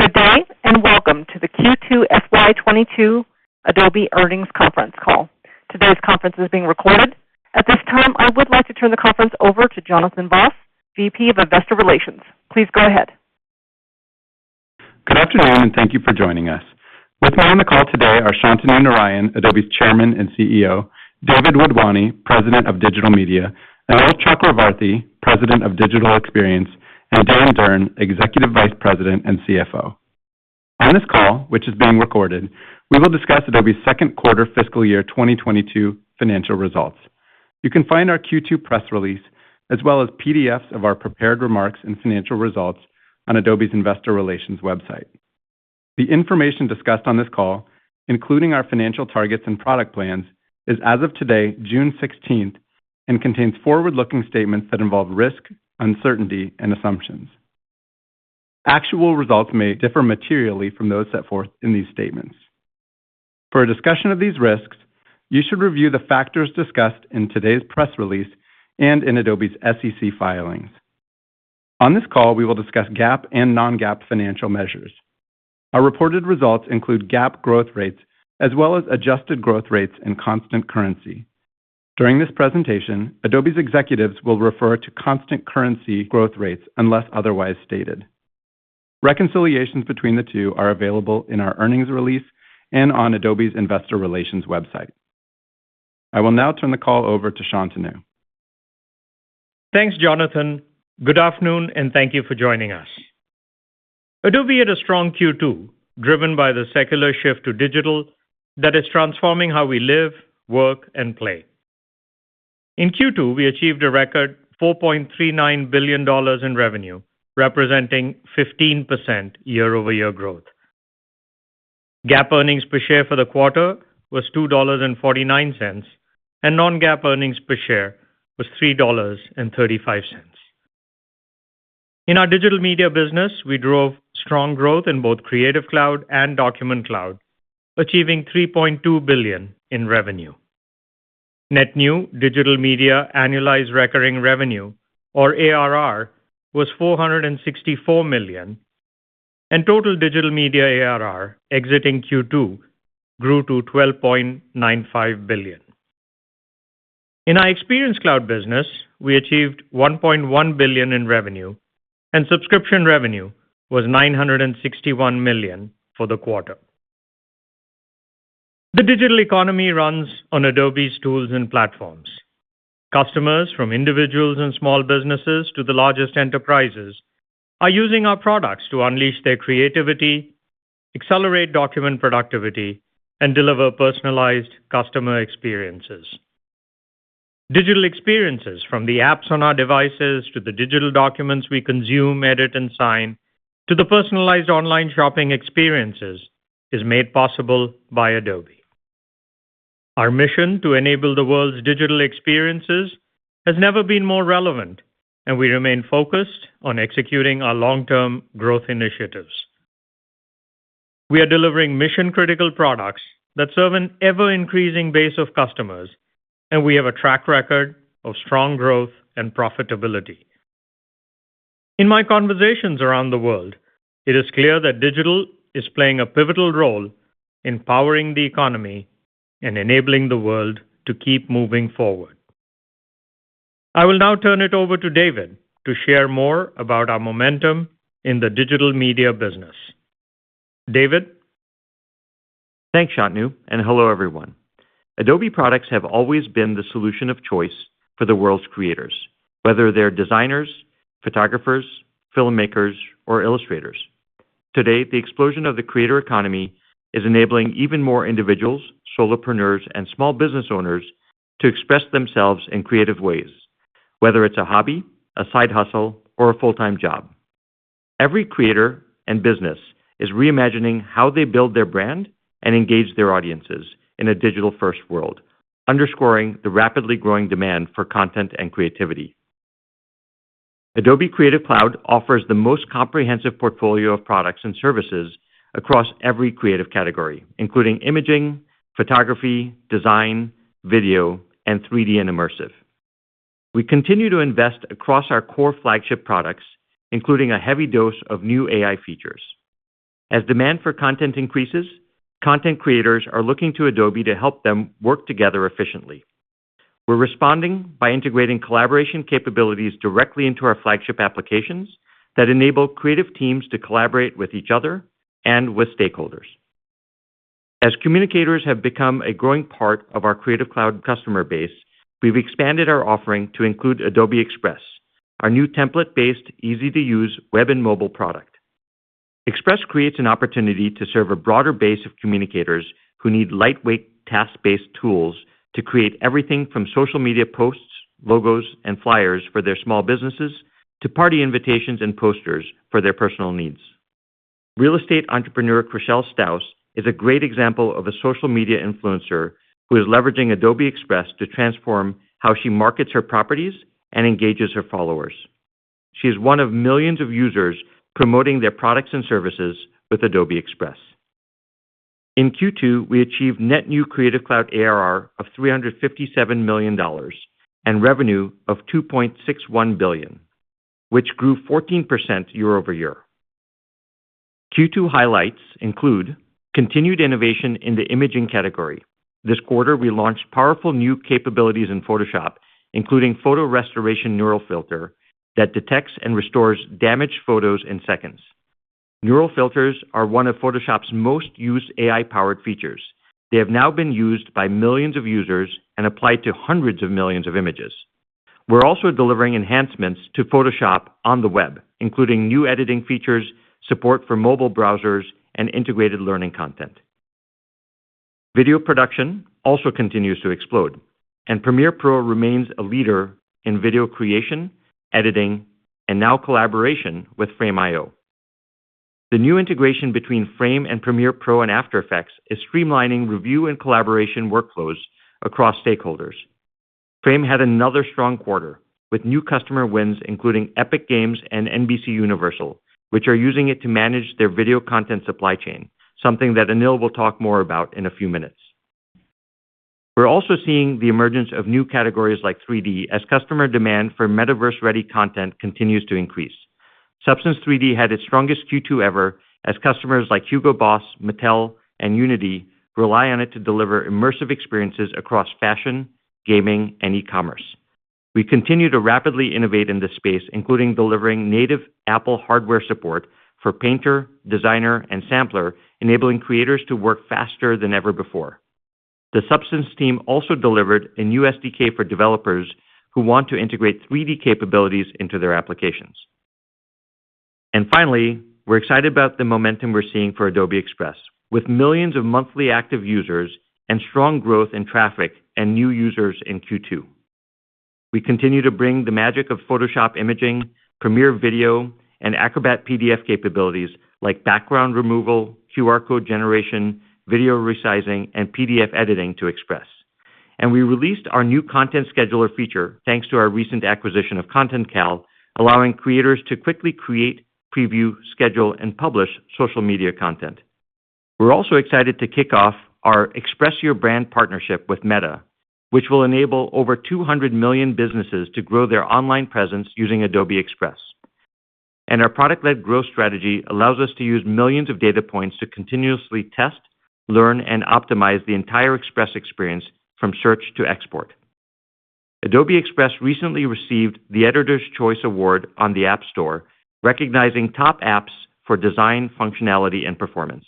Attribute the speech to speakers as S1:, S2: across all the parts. S1: Good day, and welcome to the Q2 FY 2022 Adobe Earnings Conference Call. Today's conference is being recorded. At this time, I would like to turn the conference over to Jonathan Vaas, VP of Investor Relations. Please go ahead.
S2: Good afternoon, and thank you for joining us. With me on the call today are Shantanu Narayen, Adobe's Chairman and CEO, David Wadhwani, President of Digital Media, Anil Chakravarthy, President of Digital Experience, and Dan Durn, Executive Vice President and CFO. On this call, which is being recorded, we will discuss Adobe's second quarter fiscal year 2022 financial results. You can find our Q2 press release, as well as PDFs of our prepared remarks and financial results on Adobe's Investor Relations website. The information discussed on this call, including our financial targets and product plans, is as of today, June 16th, and contains forward-looking statements that involve risk, uncertainty, and assumptions. Actual results may differ materially from those set forth in these statements. For a discussion of these risks, you should review the factors discussed in today's press release and in Adobe's SEC filings. On this call, we will discuss GAAP and non-GAAP financial measures. Our reported results include GAAP growth rates as well as adjusted growth rates and constant currency. During this presentation, Adobe's executives will refer to constant currency growth rates unless otherwise stated. Reconciliations between the two are available in our earnings release and on Adobe's Investor Relations website. I will now turn the call over to Shantanu.
S3: Thanks, Jonathan. Good afternoon, and thank you for joining us. Adobe had a strong Q2, driven by the secular shift to digital that is transforming how we live, work, and play. In Q2, we achieved a record $4.39 billion in revenue, representing 15% year-over-year growth. GAAP earnings per share for the quarter was $2.49, and non-GAAP earnings per share was $3.35. In our Digital Media business, we drove strong growth in both Creative Cloud and Document Cloud, achieving $3.2 billion in revenue. Net new Digital Media, annualized recurring revenue or ARR was $464 million, and total Digital Media ARR exiting Q2 grew to $12.95 billion. In our Experience Cloud business, we achieved $1.1 billion in revenue, and subscription revenue was $961 million for the quarter. The digital economy runs on Adobe's tools and platforms. Customers from individuals and small businesses to the largest enterprises are using our products to unleash their creativity, accelerate document productivity, and deliver personalized customer experiences. Digital experiences from the apps on our devices to the digital documents we consume, edit, and sign, to the personalized online shopping experiences, is made possible by Adobe. Our mission to enable the world's digital experiences has never been more relevant, and we remain focused on executing our long-term growth initiatives. We are delivering mission-critical products that serve an ever-increasing base of customers, and we have a track record of strong growth and profitability. In my conversations around the world, it is clear that digital is playing a pivotal role in powering the economy and enabling the world to keep moving forward. I will now turn it over to David to share more about our momentum in the Digital Media business. David.
S4: Thanks, Shantanu, and hello, everyone. Adobe products have always been the solution of choice for the world's creators, whether they're designers, photographers, filmmakers, or illustrators. Today, the explosion of the creator economy is enabling even more individuals, solopreneurs, and small business owners to express themselves in creative ways, whether it's a hobby, a side hustle, or a full-time job. Every creator and business is reimagining how they build their brand and engage their audiences in a digital-first world, underscoring the rapidly growing demand for content and creativity. Adobe Creative Cloud offers the most comprehensive portfolio of products and services across every creative category, including imaging, photography, design, video, and 3D and immersive. We continue to invest across our core flagship products, including a heavy dose of new AI features. As demand for content increases, content creators are looking to Adobe to help them work together efficiently. We're responding by integrating collaboration capabilities directly into our flagship applications that enable creative teams to collaborate with each other and with stakeholders. As communicators have become a growing part of our Creative Cloud customer base, we've expanded our offering to include Adobe Express, our new template-based, easy-to-use web and mobile product. Express creates an opportunity to serve a broader base of communicators who need lightweight, task-based tools to create everything from social media posts, logos, and flyers for their small businesses to party invitations and posters for their personal needs. Real estate entrepreneur Chrishell Stause is a great example of a social media influencer who is leveraging Adobe Express to transform how she markets her properties and engages her followers. She is one of millions of users promoting their products and services with Adobe Express. In Q2, we achieved net new Creative Cloud ARR of $357 million and revenue of $2.61 billion, which grew 14% year-over-year. Q2 highlights include continued innovation in the imaging category. This quarter, we launched powerful new capabilities in Photoshop, including Photo Restoration Neural Filter that detects and restores damaged photos in seconds. Neural Filters are one of Photoshop's most used AI-powered features. They have now been used by millions of users and applied to hundreds of millions of images. We're also delivering enhancements to Photoshop on the web, including new editing features, support for mobile browsers, and integrated learning content. Video production also continues to explode, and Premiere Pro remains a leader in video creation, editing, and now collaboration with Frame.io. The new integration between Frame and Premiere Pro and After Effects is streamlining review and collaboration workflows across stakeholders. Frame had another strong quarter with new customer wins, including Epic Games and NBCUniversal, which are using it to manage their video content supply chain, something that Anil will talk more about in a few minutes. We're also seeing the emergence of new categories like 3D as customer demand for metaverse-ready content continues to increase. Substance 3D had its strongest Q2 ever as customers like HUGO BOSS, Mattel, and Unity rely on it to deliver immersive experiences across fashion, gaming, and e-commerce. We continue to rapidly innovate in this space, including delivering native Apple hardware support for Painter, Designer, and Sampler, enabling creators to work faster than ever before. The Substance team also delivered a new SDK for developers who want to integrate 3D capabilities into their applications. Finally, we're excited about the momentum we're seeing for Adobe Express, with millions of monthly active users and strong growth in traffic and new users in Q2. We continue to bring the magic of Photoshop imaging, Premiere video, and Acrobat PDF capabilities like background removal, QR code generation, video resizing, and PDF editing to Express. We released our new content scheduler feature, thanks to our recent acquisition of ContentCal, allowing creators to quickly create, preview, schedule, and publish social media content. We're also excited to kick off our Express Your Brand partnership with Meta, which will enable over 200 million businesses to grow their online presence using Adobe Express. Our product-led growth strategy allows us to use millions of data points to continuously test, learn, and optimize the entire Express experience from search to export. Adobe Express recently received the Editor's Choice Award on the App Store, recognizing top apps for design, functionality, and performance.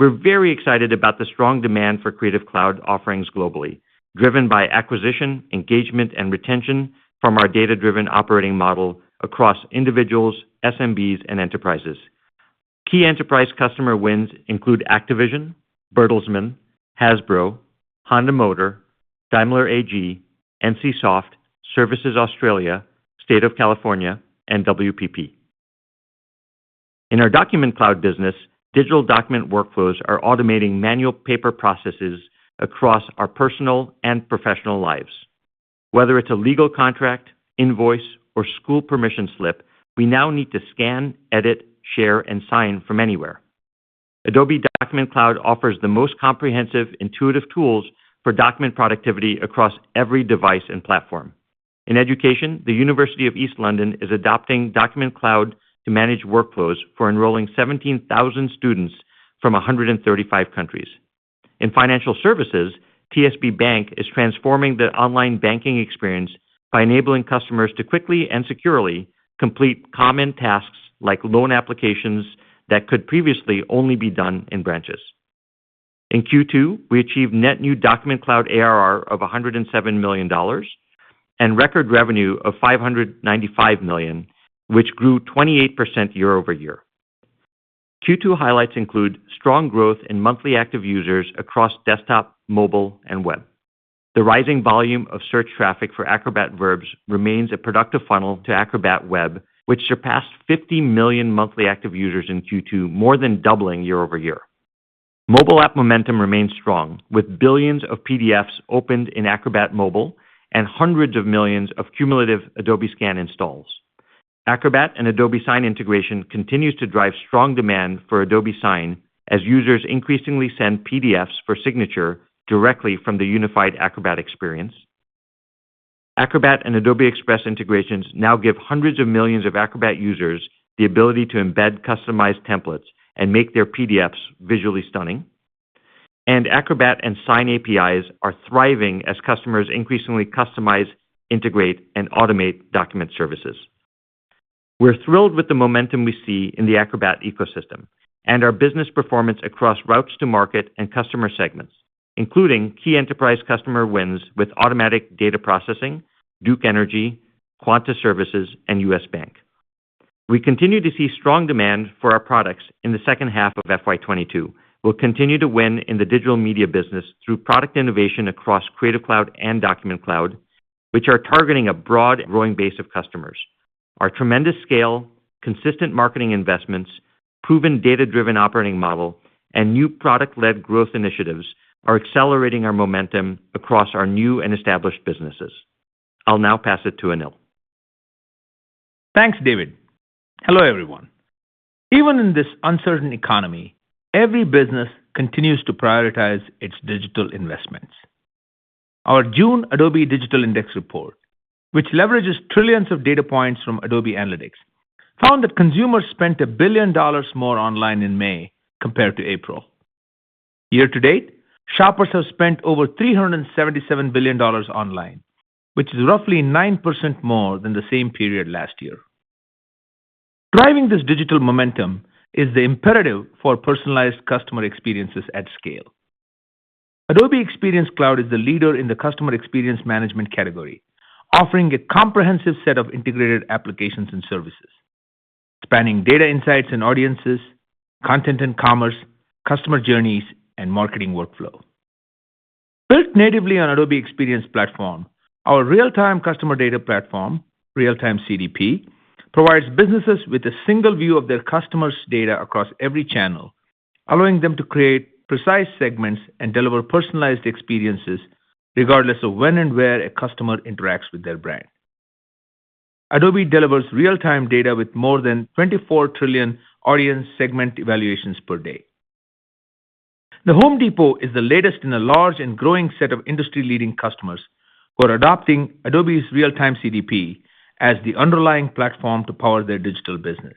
S4: We're very excited about the strong demand for Creative Cloud offerings globally, driven by acquisition, engagement, and retention from our data-driven operating model across individuals, SMBs, and enterprises. Key enterprise customer wins include Activision, Bertelsmann, Hasbro, Honda Motor, Daimler AG, NCSOFT, Services Australia, State of California, and WPP. In our Document Cloud business, digital document workflows are automating manual paper processes across our personal and professional lives. Whether it's a legal contract, invoice, or school permission slip, we now need to scan, edit, share, and sign from anywhere. Adobe Document Cloud offers the most comprehensive, intuitive tools for document productivity across every device and platform. In education, the University of East London is adopting Document Cloud to manage workflows for enrolling 17,000 students from 135 countries. In financial services, TSB Bank is transforming the online banking experience by enabling customers to quickly and securely complete common tasks like loan applications that could previously only be done in branches. In Q2, we achieved net new Document Cloud ARR of $107 million and record revenue of $595 million, which grew 28% year-over-year. Q2 highlights include strong growth in monthly active users across desktop, mobile, and web. The rising volume of search traffic for Acrobat verbs remains a productive funnel to Acrobat web, which surpassed 50 million monthly active users in Q2, more than doubling year-over-year. Mobile app momentum remains strong, with billions of PDFs opened in Acrobat Mobile, and hundreds of millions of cumulative Adobe Scan installs. Acrobat and Adobe Sign integration continues to drive strong demand for Adobe Sign as users increasingly send PDFs for signature directly from the unified Acrobat experience. Acrobat and Adobe Express integrations now give hundreds of millions of Acrobat users the ability to embed customized templates and make their PDFs visually stunning. Acrobat and Sign APIs are thriving as customers increasingly customize, integrate, and automate document services. We're thrilled with the momentum we see in the Acrobat ecosystem and our business performance across routes to market and customer segments, including key enterprise customer wins with Automatic Data Processing, Duke Energy, Quanta Services, and U.S. Bank. We continue to see strong demand for our products in the second half of FY 2022. We'll continue to win in the Digital Media business through product innovation across Creative Cloud and Document Cloud, which are targeting a broad growing base of customers. Our tremendous scale, consistent marketing investments, proven data-driven operating model, and new product-led growth initiatives are accelerating our momentum across our new and established businesses. I'll now pass it to Anil.
S5: Thanks, David. Hello, everyone. Even in this uncertain economy, every business continues to prioritize its digital investments. Our June Adobe Digital Index Report, which leverages trillions of data points from Adobe Analytics, found that consumers spent $1 billion more online in May compared to April. Year-to-date, shoppers have spent over $377 billion online, which is roughly 9% more than the same period last year. Driving this digital momentum is the imperative for personalized customer experiences at scale. Adobe Experience Cloud is the leader in the customer experience management category, offering a comprehensive set of integrated applications and services, spanning data insights and audiences, content and commerce, customer journeys, and marketing workflow. Built natively on Adobe Experience Platform, our real-time customer data platform, Real-Time CDP, provides businesses with a single view of their customers' data across every channel, allowing them to create precise segments and deliver personalized experiences regardless of when and where a customer interacts with their brand. Adobe delivers real-time data with more than 24 trillion audience segment evaluations per day. The Home Depot is the latest in a large and growing set of industry-leading customers who are adopting Adobe's Real-Time CDP as the underlying platform to power their digital business.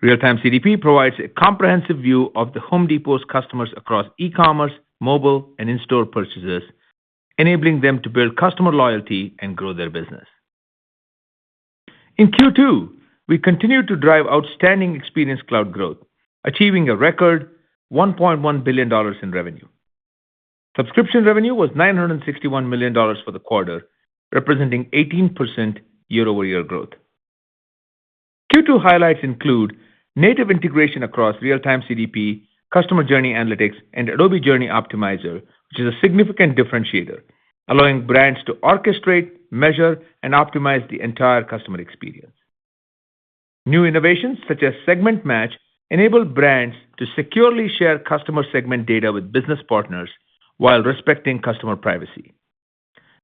S5: Real-Time CDP provides a comprehensive view of The Home Depot's customers across e-commerce, mobile, and in-store purchases, enabling them to build customer loyalty and grow their business. In Q2, we continued to drive outstanding Experience Cloud growth, achieving a record $1.1 billion in revenue. Subscription revenue was $961 million for the quarter, representing 18% year-over-year growth. Q2 highlights include native integration across Real-Time CDP, Customer Journey Analytics, and Adobe Journey Optimizer, which is a significant differentiator, allowing brands to orchestrate, measure, and optimize the entire customer experience. New innovations, such as Segment Match, enable brands to securely share customer segment data with business partners while respecting customer privacy.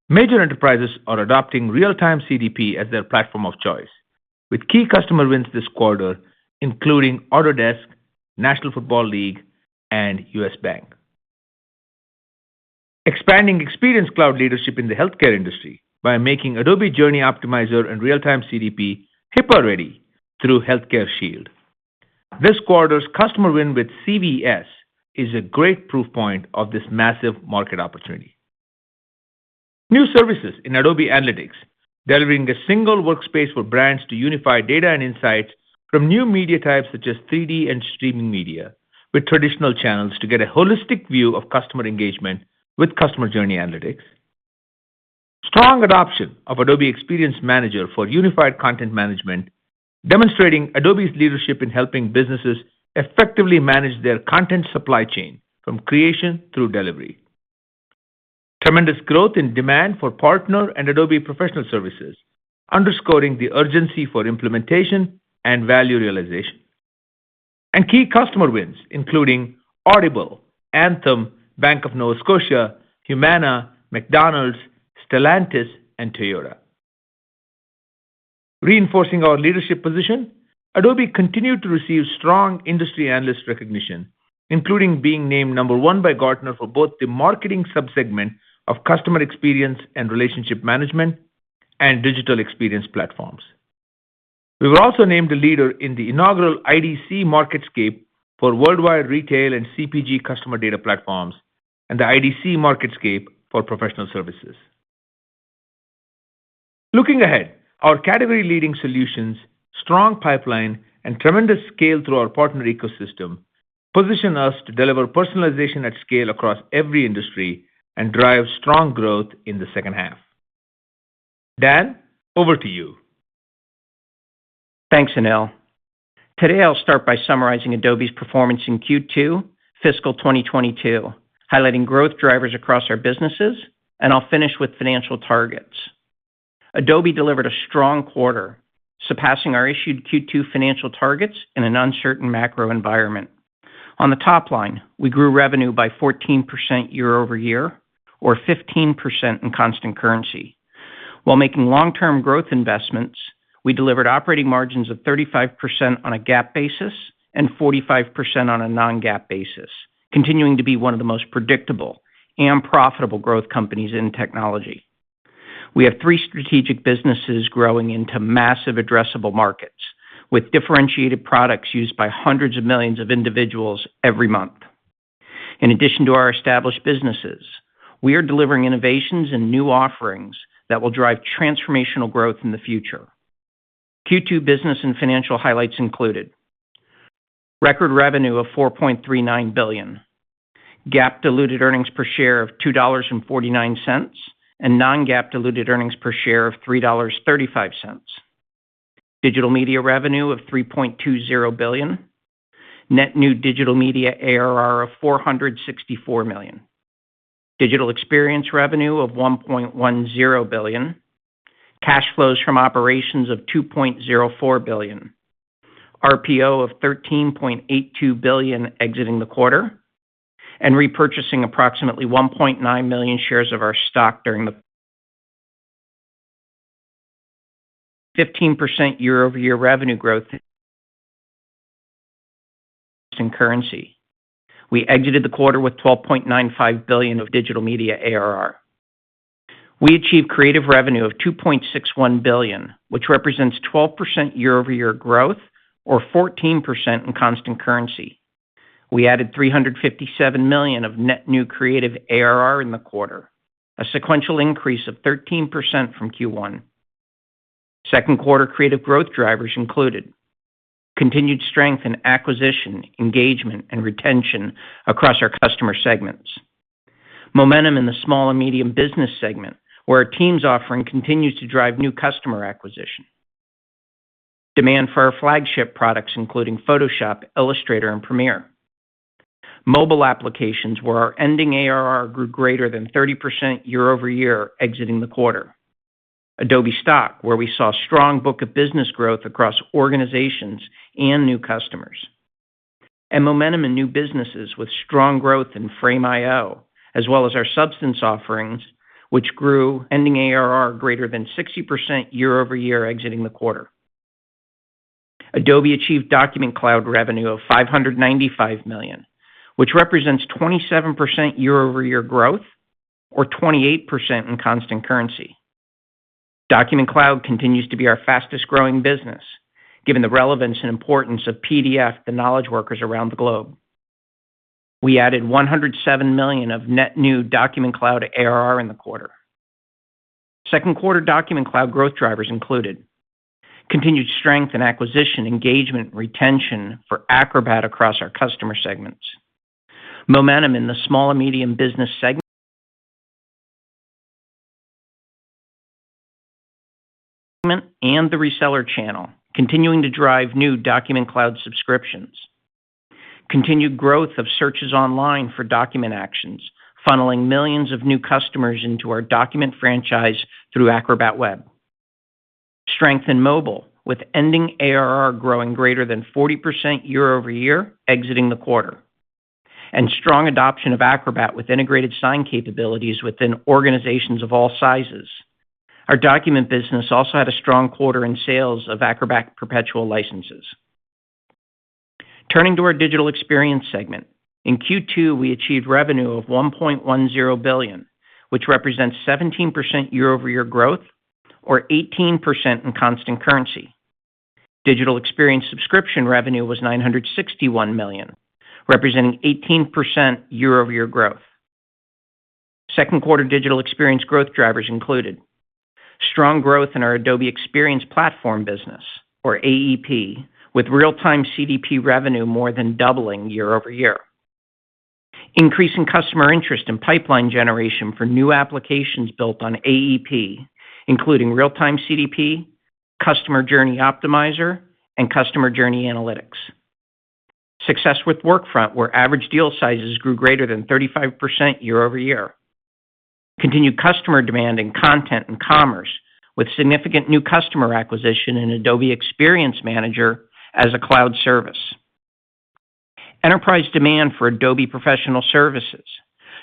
S5: Major enterprises are adopting Real-Time CDP as their platform of choice, with key customer wins this quarter, including Autodesk, National Football League, and U.S. Bank. Expanding Experience Cloud leadership in the healthcare industry by making Adobe Journey Optimizer and Real-Time CDP HIPAA-ready through Healthcare Shield. This quarter's customer win with CVS is a great proof point of this massive market opportunity. New services in Adobe Analytics, delivering a single workspace for brands to unify data and insights from new media types, such as 3D and streaming media, with traditional channels to get a holistic view of customer engagement with Customer Journey Analytics. Strong adoption of Adobe Experience Manager for unified content management, demonstrating Adobe's leadership in helping businesses effectively manage their content supply chain from creation through delivery. Tremendous growth and demand for partner and Adobe professional services, underscoring the urgency for implementation and value realization. Key customer wins, including Audible, Anthem, Bank of Nova Scotia, Humana, McDonald's, Stellantis, and Toyota. Reinforcing our leadership position, Adobe continued to receive strong industry analyst recognition, including being named number one by Gartner for both the marketing sub-segment of customer experience and relationship management and digital experience platforms. We were also named a leader in the inaugural IDC MarketScape for worldwide retail and CPG customer data platforms and the IDC MarketScape for Professional Services. Looking ahead, our category-leading solutions, strong pipeline, and tremendous scale through our partner ecosystem position us to deliver personalization at scale across every industry and drive strong growth in the second half. Dan, over to you.
S6: Thanks, Anil. Today, I'll start by summarizing Adobe's performance in Q2 fiscal 2022, highlighting growth drivers across our businesses, and I'll finish with financial targets. Adobe delivered a strong quarter, surpassing our issued Q2 financial targets in an uncertain macro environment. On the top line, we grew revenue by 14% year-over-year or 15% in constant currency. While making long-term growth investments, we delivered operating margins of 35% on a GAAP basis and 45% on a non-GAAP basis, continuing to be one of the most predictable and profitable growth companies in technology. We have three strategic businesses growing into massive addressable markets with differentiated products used by hundreds of millions of individuals every month. In addition to our established businesses, we are delivering innovations and new offerings that will drive transformational growth in the future. Q2 business and financial highlights included record revenue of $4.39 billion, GAAP diluted EPS of $2.49, and non-GAAP diluted EPS of $3.35. Digital Media revenue of $3.20 billion. Net new Digital Media ARR of $464 million. Digital Experience revenue of $1.10 billion. Cash flows from operations of $2.04 billion. RPO of $13.82 billion exiting the quarter and repurchasing approximately 1.9 million shares of our stock during the quarter. 15% year-over-year revenue growth in constant currency. We exited the quarter with $12.95 billion of Digital Media ARR. We achieved Creative revenue of $2.61 billion, which represents 12% year-over-year growth or 14% in constant currency. We added $357 million of net new creative ARR in the quarter, a sequential increase of 13% from Q1. Second quarter creative growth drivers included continued strength in acquisition, engagement, and retention across our customer segments. Momentum in the small and medium business segment, where our Teams offering continues to drive new customer acquisition. Demand for our flagship products, including Photoshop, Illustrator, and Premiere. Mobile applications where our ending ARR grew greater than 30% year-over-year exiting the quarter. Adobe Stock, where we saw strong book of business growth across organizations and new customers. Momentum in new businesses with strong growth in Frame.io, as well as our Substance offerings, which grew ending ARR greater than 60% year-over-year exiting the quarter. Adobe achieved Document Cloud revenue of $595 million, which represents 27% year-over-year growth or 28% in constant currency. Document Cloud continues to be our fastest-growing business, given the relevance and importance of PDF to knowledge workers around the globe. We added $107 million of net new Document Cloud ARR in the quarter. Second quarter Document Cloud growth drivers included continued strength in acquisition, engagement, and retention for Acrobat across our customer segments. Momentum in the small and medium business segment and the reseller channel continuing to drive new Document Cloud subscriptions. Continued growth of searches online for document actions, funneling millions of new customers into our document franchise through Acrobat Web. Strength in mobile, with ending ARR growing greater than 40% year-over-year exiting the quarter. Strong adoption of Acrobat with integrated sign capabilities within organizations of all sizes. Our document business also had a strong quarter in sales of Acrobat perpetual licenses. Turning to our Digital Experience segment, in Q2, we achieved revenue of $1.10 billion, which represents 17% year-over-year growth or 18% in constant currency. Digital Experience subscription revenue was $961 million, representing 18% year-over-year growth. Second quarter Digital Experience growth drivers included strong growth in our Adobe Experience Platform business, or AEP, with Real-Time CDP revenue more than doubling year-over-year. Increasing customer interest in pipeline generation for new applications built on AEP, including Real-Time CDP, Customer Journey Optimizer, and Customer Journey Analytics. Success with Workfront, where average deal sizes grew greater than 35% year-over-year. Continued customer demand in content and commerce, with significant new customer acquisition in Adobe Experience Manager as a cloud service. Enterprise demand for Adobe Professional Services,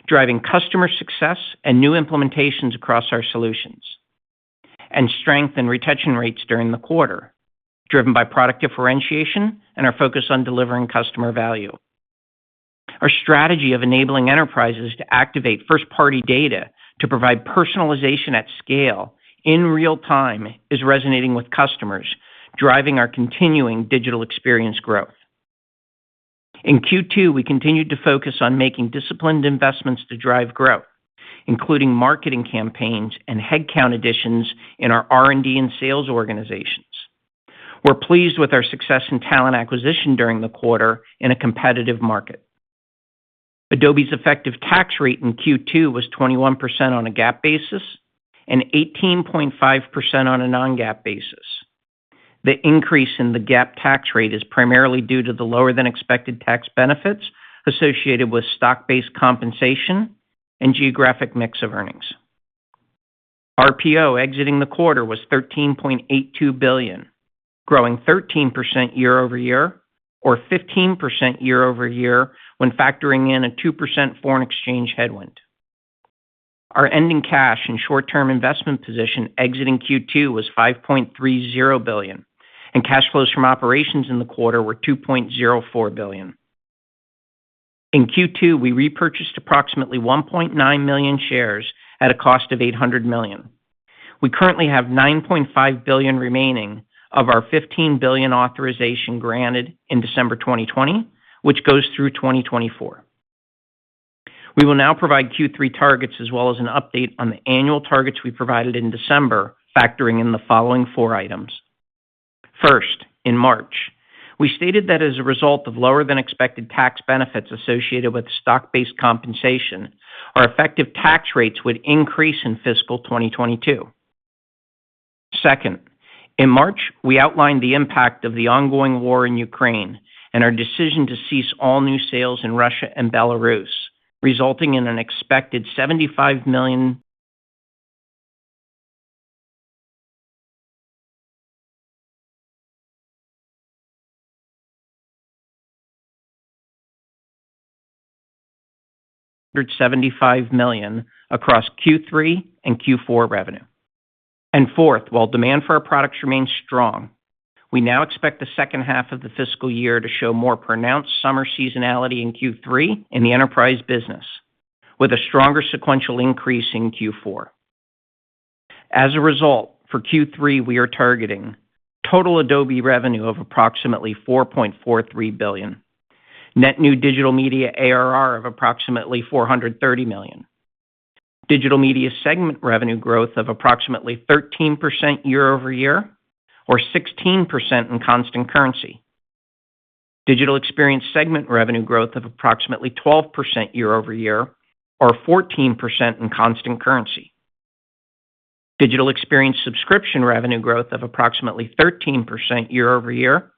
S6: driving customer success and new implementations across our solutions. Strength in retention rates during the quarter, driven by product differentiation and our focus on delivering customer value. Our strategy of enabling enterprises to activate first-party data to provide personalization at scale in real time is resonating with customers, driving our continuing Digital Experience growth. In Q2, we continued to focus on making disciplined investments to drive growth, including marketing campaigns and headcount additions in our R&D and sales organizations. We're pleased with our success in talent acquisition during the quarter in a competitive market. Adobe's effective tax rate in Q2 was 21% on a GAAP basis and 18.5% on a non-GAAP basis. The increase in the GAAP tax rate is primarily due to the lower-than-expected tax benefits associated with stock-based compensation and geographic mix of earnings. RPO exiting the quarter was $13.82 billion, growing 13% year-over-year or 15% year-over-year when factoring in a 2% foreign exchange headwind. Our ending cash and short-term investment position exiting Q2 was $5.30 billion, and cash flows from operations in the quarter were $2.04 billion. In Q2, we repurchased approximately 1.9 million shares at a cost of $800 million. We currently have $9.5 billion remaining of our $15 billion authorization granted in December 2020, which goes through 2024. We will now provide Q3 targets as well as an update on the annual targets we provided in December, factoring in the following four items. First, in March, we stated that as a result of lower-than-expected tax benefits associated with stock-based compensation, our effective tax rates would increase in fiscal 2022. Second, in March, we outlined the impact of the ongoing war in Ukraine and our decision to cease all new sales in Russia and Belarus, resulting in an expected $75 million across Q3 and Q4 revenue. Fourth, while demand for our products remains strong, we now expect the second half of the fiscal year to show more pronounced summer seasonality in Q3 in the enterprise business, with a stronger sequential increase in Q4. As a result, for Q3, we are targeting total Adobe revenue of approximately $4.43 billion. Net new Digital Media ARR of approximately $430 million. Digital Media segment revenue growth of approximately 13% year-over-year or 16% in constant currency. Digital Experience segment revenue growth of approximately 12% year-over-year or 14% in constant currency. Digital Experience subscription revenue growth of approximately 13% year-over-year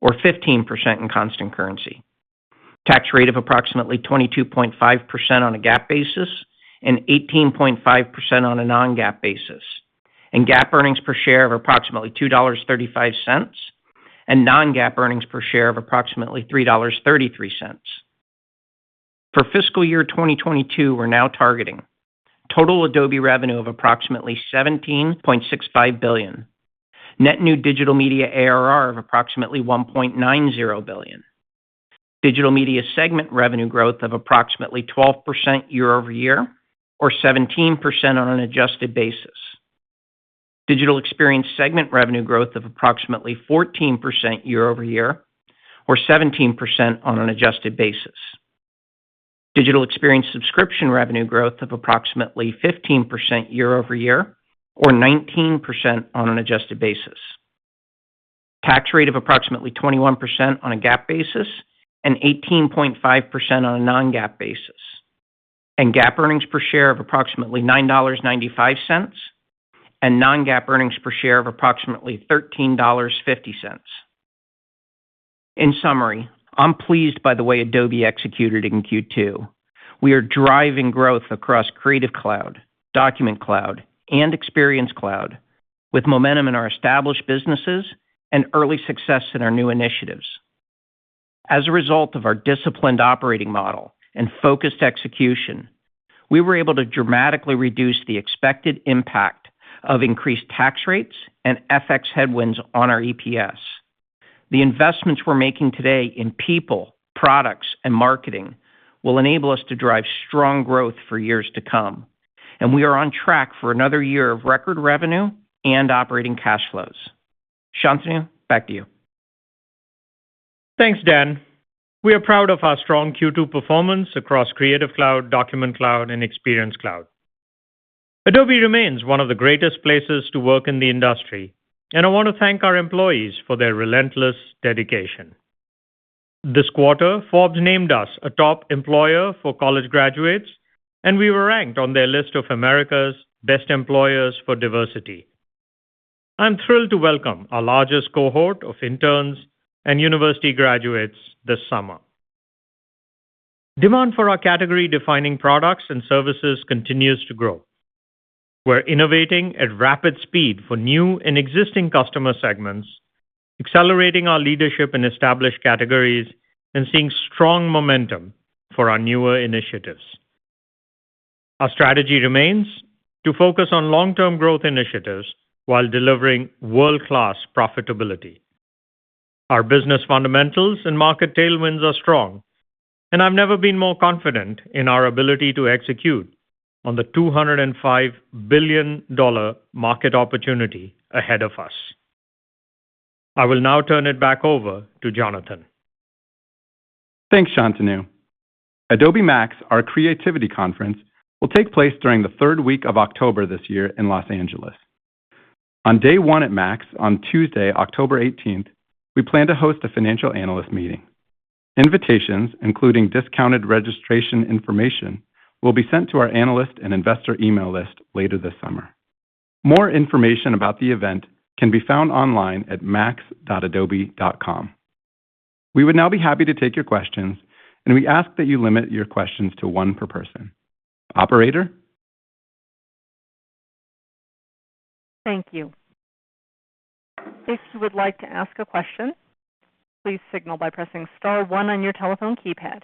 S6: or 15% in constant currency. Tax rate of approximately 22.5% on a GAAP basis and 18.5% on a non-GAAP basis. GAAP earnings per share of approximately $2.35 and non-GAAP earnings per share of approximately $3.33. For fiscal year 2022, we're now targeting total Adobe revenue of approximately $17.65 billion. Net new Digital Media ARR of approximately $1.90 billion. Digital Media segment revenue growth of approximately 12% year-over-year or 17% on an adjusted basis. Digital Experience segment revenue growth of approximately 14% year-over-year or 17% on an adjusted basis. Digital Experience subscription revenue growth of approximately 15% year-over-year or 19% on an adjusted basis. Tax rate of approximately 21% on a GAAP basis and 18.5% on a non-GAAP basis. GAAP earnings per share of approximately $9.95 and non-GAAP earnings per share of approximately $13.50. In summary, I'm pleased by the way Adobe executed in Q2. We are driving growth across Creative Cloud, Document Cloud, and Experience Cloud with momentum in our established businesses and early success in our new initiatives. As a result of our disciplined operating model and focused execution, we were able to dramatically reduce the expected impact of increased tax rates and FX headwinds on our EPS. The investments we're making today in people, products, and marketing will enable us to drive strong growth for years to come, and we are on track for another year of record revenue and operating cash flows. Shantanu, back to you.
S3: Thanks, Dan. We are proud of our strong Q2 performance across Creative Cloud, Document Cloud and Experience Cloud. Adobe remains one of the greatest places to work in the industry, and I want to thank our employees for their relentless dedication. This quarter, Forbes named us a top employer for college graduates, and we were ranked on their list of America's Best Employers for Diversity. I'm thrilled to welcome our largest cohort of interns and university graduates this summer. Demand for our category-defining products and services continues to grow. We're innovating at rapid speed for new and existing customer segments, accelerating our leadership in established categories and seeing strong momentum for our newer initiatives. Our strategy remains to focus on long-term growth initiatives while delivering world-class profitability. Our business fundamentals and market tailwinds are strong, and I've never been more confident in our ability to execute on the $205 billion market opportunity ahead of us. I will now turn it back over to Jonathan.
S2: Thanks, Shantanu. Adobe MAX, our creativity conference, will take place during the 3rd week of October this year in Los Angeles. On day 1 at MAX, on Tuesday, October 18th, we plan to host a financial analyst meeting. Invitations, including discounted registration information, will be sent to our analyst and investor email list later this summer. More information about the event can be found online at max.adobe.com. We would now be happy to take your questions, and we ask that you limit your questions to one per person. Operator?
S1: Thank you. If you would like to ask a question, please signal by pressing star one on your telephone keypad.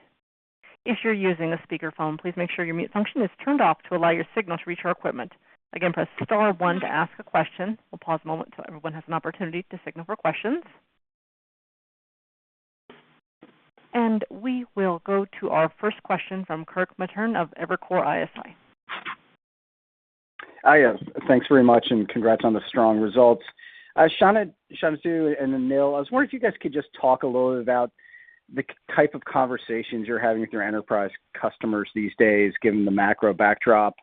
S1: If you're using a speakerphone, please make sure your mute function is turned off to allow your signal to reach our equipment. Again, press star one to ask a question. We'll pause a moment so everyone has an opportunity to signal for questions. We will go to our first question from Kirk Materne of Evercore ISI.
S7: Hi. Thanks very much and congrats on the strong results. Shantanu, and then Anil, I was wondering if you guys could just talk a little bit about the type of conversations you're having with your enterprise customers these days, given the macro backdrop.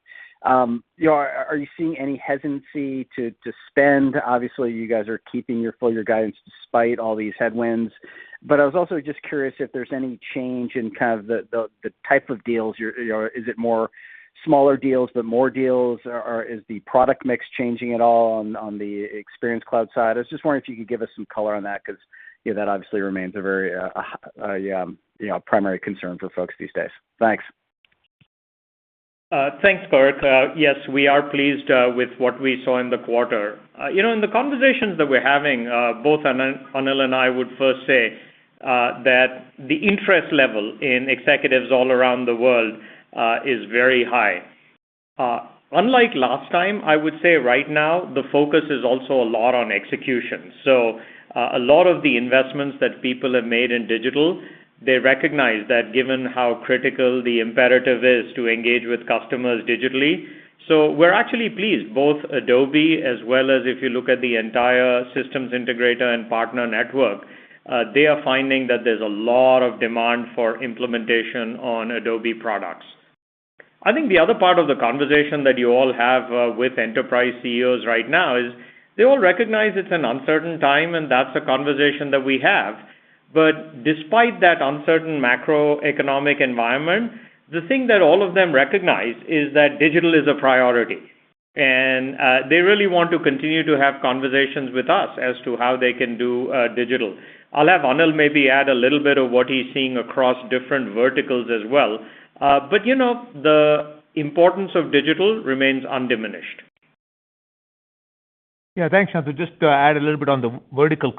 S7: You know, are you seeing any hesitancy to spend? Obviously, you guys are keeping your full year guidance despite all these headwinds. I was also just curious if there's any change in kind of the type of deals you're, you know, is it more smaller deals, but more deals? Or is the product mix changing at all on the Experience Cloud side? I was just wondering if you could give us some color on that, because, you know, that obviously remains a very primary concern for folks these days. Thanks.
S3: Thanks, Kirk. Yes, we are pleased with what we saw in the quarter. You know, in the conversations that we're having, both Anil and I would first say that the interest level in executives all around the world is very high. Unlike last time, I would say right now the focus is also a lot on execution. A lot of the investments that people have made in digital, they recognize that given how critical the imperative is to engage with customers digitally. We're actually pleased, both Adobe as well as if you look at the entire systems integrator and partner network, they are finding that there's a lot of demand for implementation on Adobe products. I think the other part of the conversation that you all have with enterprise CEOs right now is they all recognize it's an uncertain time, and that's a conversation that we have. Despite that uncertain macroeconomic environment, the thing that all of them recognize is that digital is a priority. They really want to continue to have conversations with us as to how they can do digital. I'll have Anil maybe add a little bit of what he's seeing across different verticals as well. You know, the importance of digital remains undiminished.
S5: Yeah, thanks, Shantanu. Just to add a little bit on the verticals.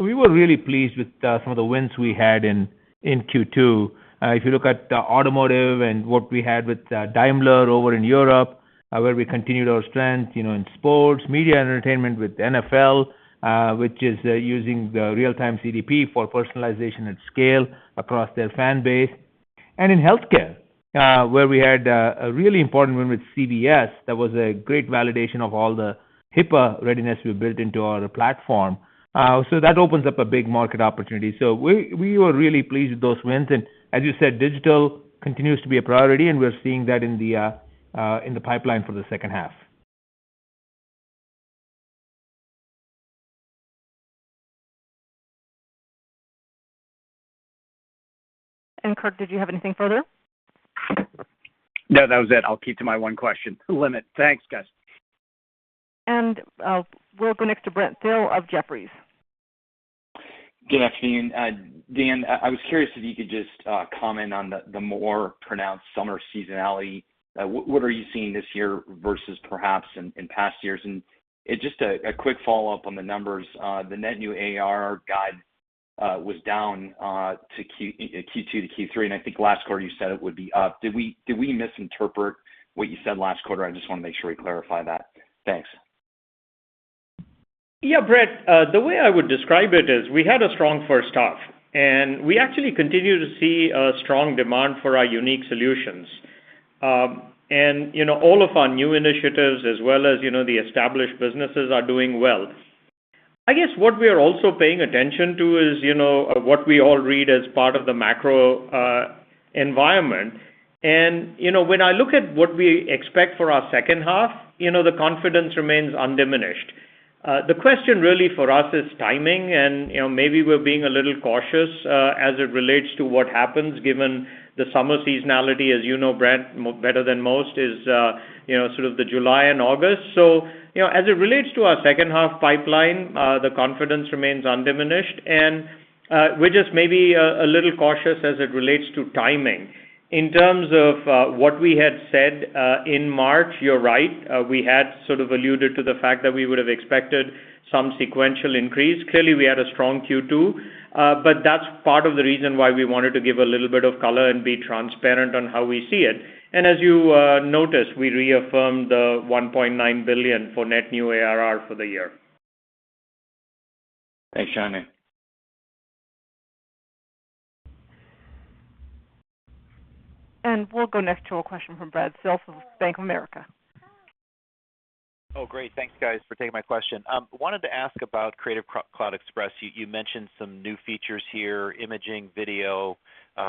S5: We were really pleased with some of the wins we had in Q2. If you look at the automotive and what we had with Daimler over in Europe, where we continued our strength, you know, in sports, media, entertainment with NFL, which is using the Real-Time CDP for personalization at scale across their fan base. In healthcare, where we had a really important win with CVS. That was a great validation of all the HIPAA readiness we built into our platform. That opens up a big market opportunity. We were really pleased with those wins. As you said, digital continues to be a priority, and we're seeing that in the pipeline for the second half.
S1: Kirk, did you have anything further?
S7: No, that was it. I'll keep to my one question limit. Thanks, guys.
S1: We'll go next to Brent Thill of Jefferies.
S8: Good afternoon. Dan, I was curious if you could just comment on the more pronounced summer seasonality. What are you seeing this year versus perhaps in past years? Just a quick follow-up on the numbers. The net new ARR guide was down to Q2 to Q3, and I think last quarter you said it would be up. Did we misinterpret what you said last quarter? I just want to make sure we clarify that. Thanks.
S3: Yeah, Brent, the way I would describe it is we had a strong first half, and we actually continue to see a strong demand for our unique solutions. You know, all of our new initiatives as well as, you know, the established businesses are doing well. I guess what we are also paying attention to is, you know, what we all read as part of the macro environment. You know, when I look at what we expect for our second half, you know, the confidence remains undiminished. The question really for us is timing and, you know, maybe we're being a little cautious, as it relates to what happens given the summer seasonality. As you know, Brent, better than most, you know, sort of the July and August. You know, as it relates to our second half pipeline, the confidence remains undiminished, and we're just maybe a little cautious as it relates to timing. In terms of what we had said in March, you're right. We had sort of alluded to the fact that we would have expected some sequential increase. Clearly, we had a strong Q2, but that's part of the reason why we wanted to give a little bit of color and be transparent on how we see it. As you noticed, we reaffirmed the $1.9 billion for net new ARR for the year.
S8: Thanks, Shantanu.
S1: We'll go next to a question from Brad Sills of Bank of America.
S9: Oh, great. Thanks, guys, for taking my question. Wanted to ask about Creative Cloud Express. You mentioned some new features here, imaging, video,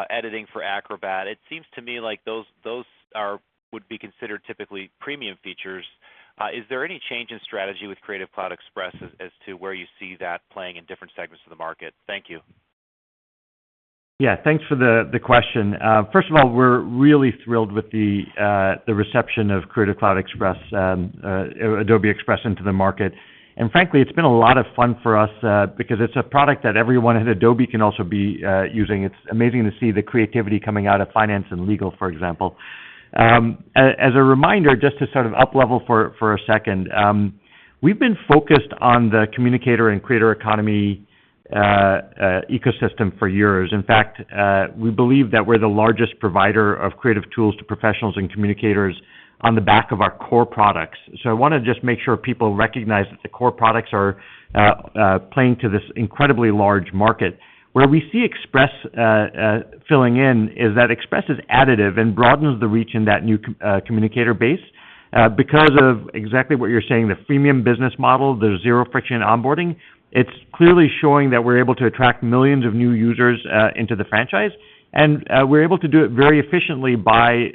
S9: editing for Acrobat. It seems to me like those would be considered typically premium features. Is there any change in strategy with Creative Cloud Express as to where you see that playing in different segments of the market? Thank you.
S4: Yeah, thanks for the question. First of all, we're really thrilled with the reception of Creative Cloud Express, Adobe Express into the market. Frankly, it's been a lot of fun for us, because it's a product that everyone at Adobe can also be using. It's amazing to see the creativity coming out of finance and legal, for example. As a reminder, just to sort of up level for a second, we've been focused on the communicator and creator economy ecosystem for years. In fact, we believe that we're the largest provider of creative tools to professionals and communicators on the back of our core products. I want to just make sure people recognize that the core products are playing to this incredibly large market. Where we see Express filling in is that Express is additive and broadens the reach in that new communicator base, because of exactly what you're saying, the freemium business model, the zero-friction onboarding. It's clearly showing that we're able to attract millions of new users into the franchise, and we're able to do it very efficiently by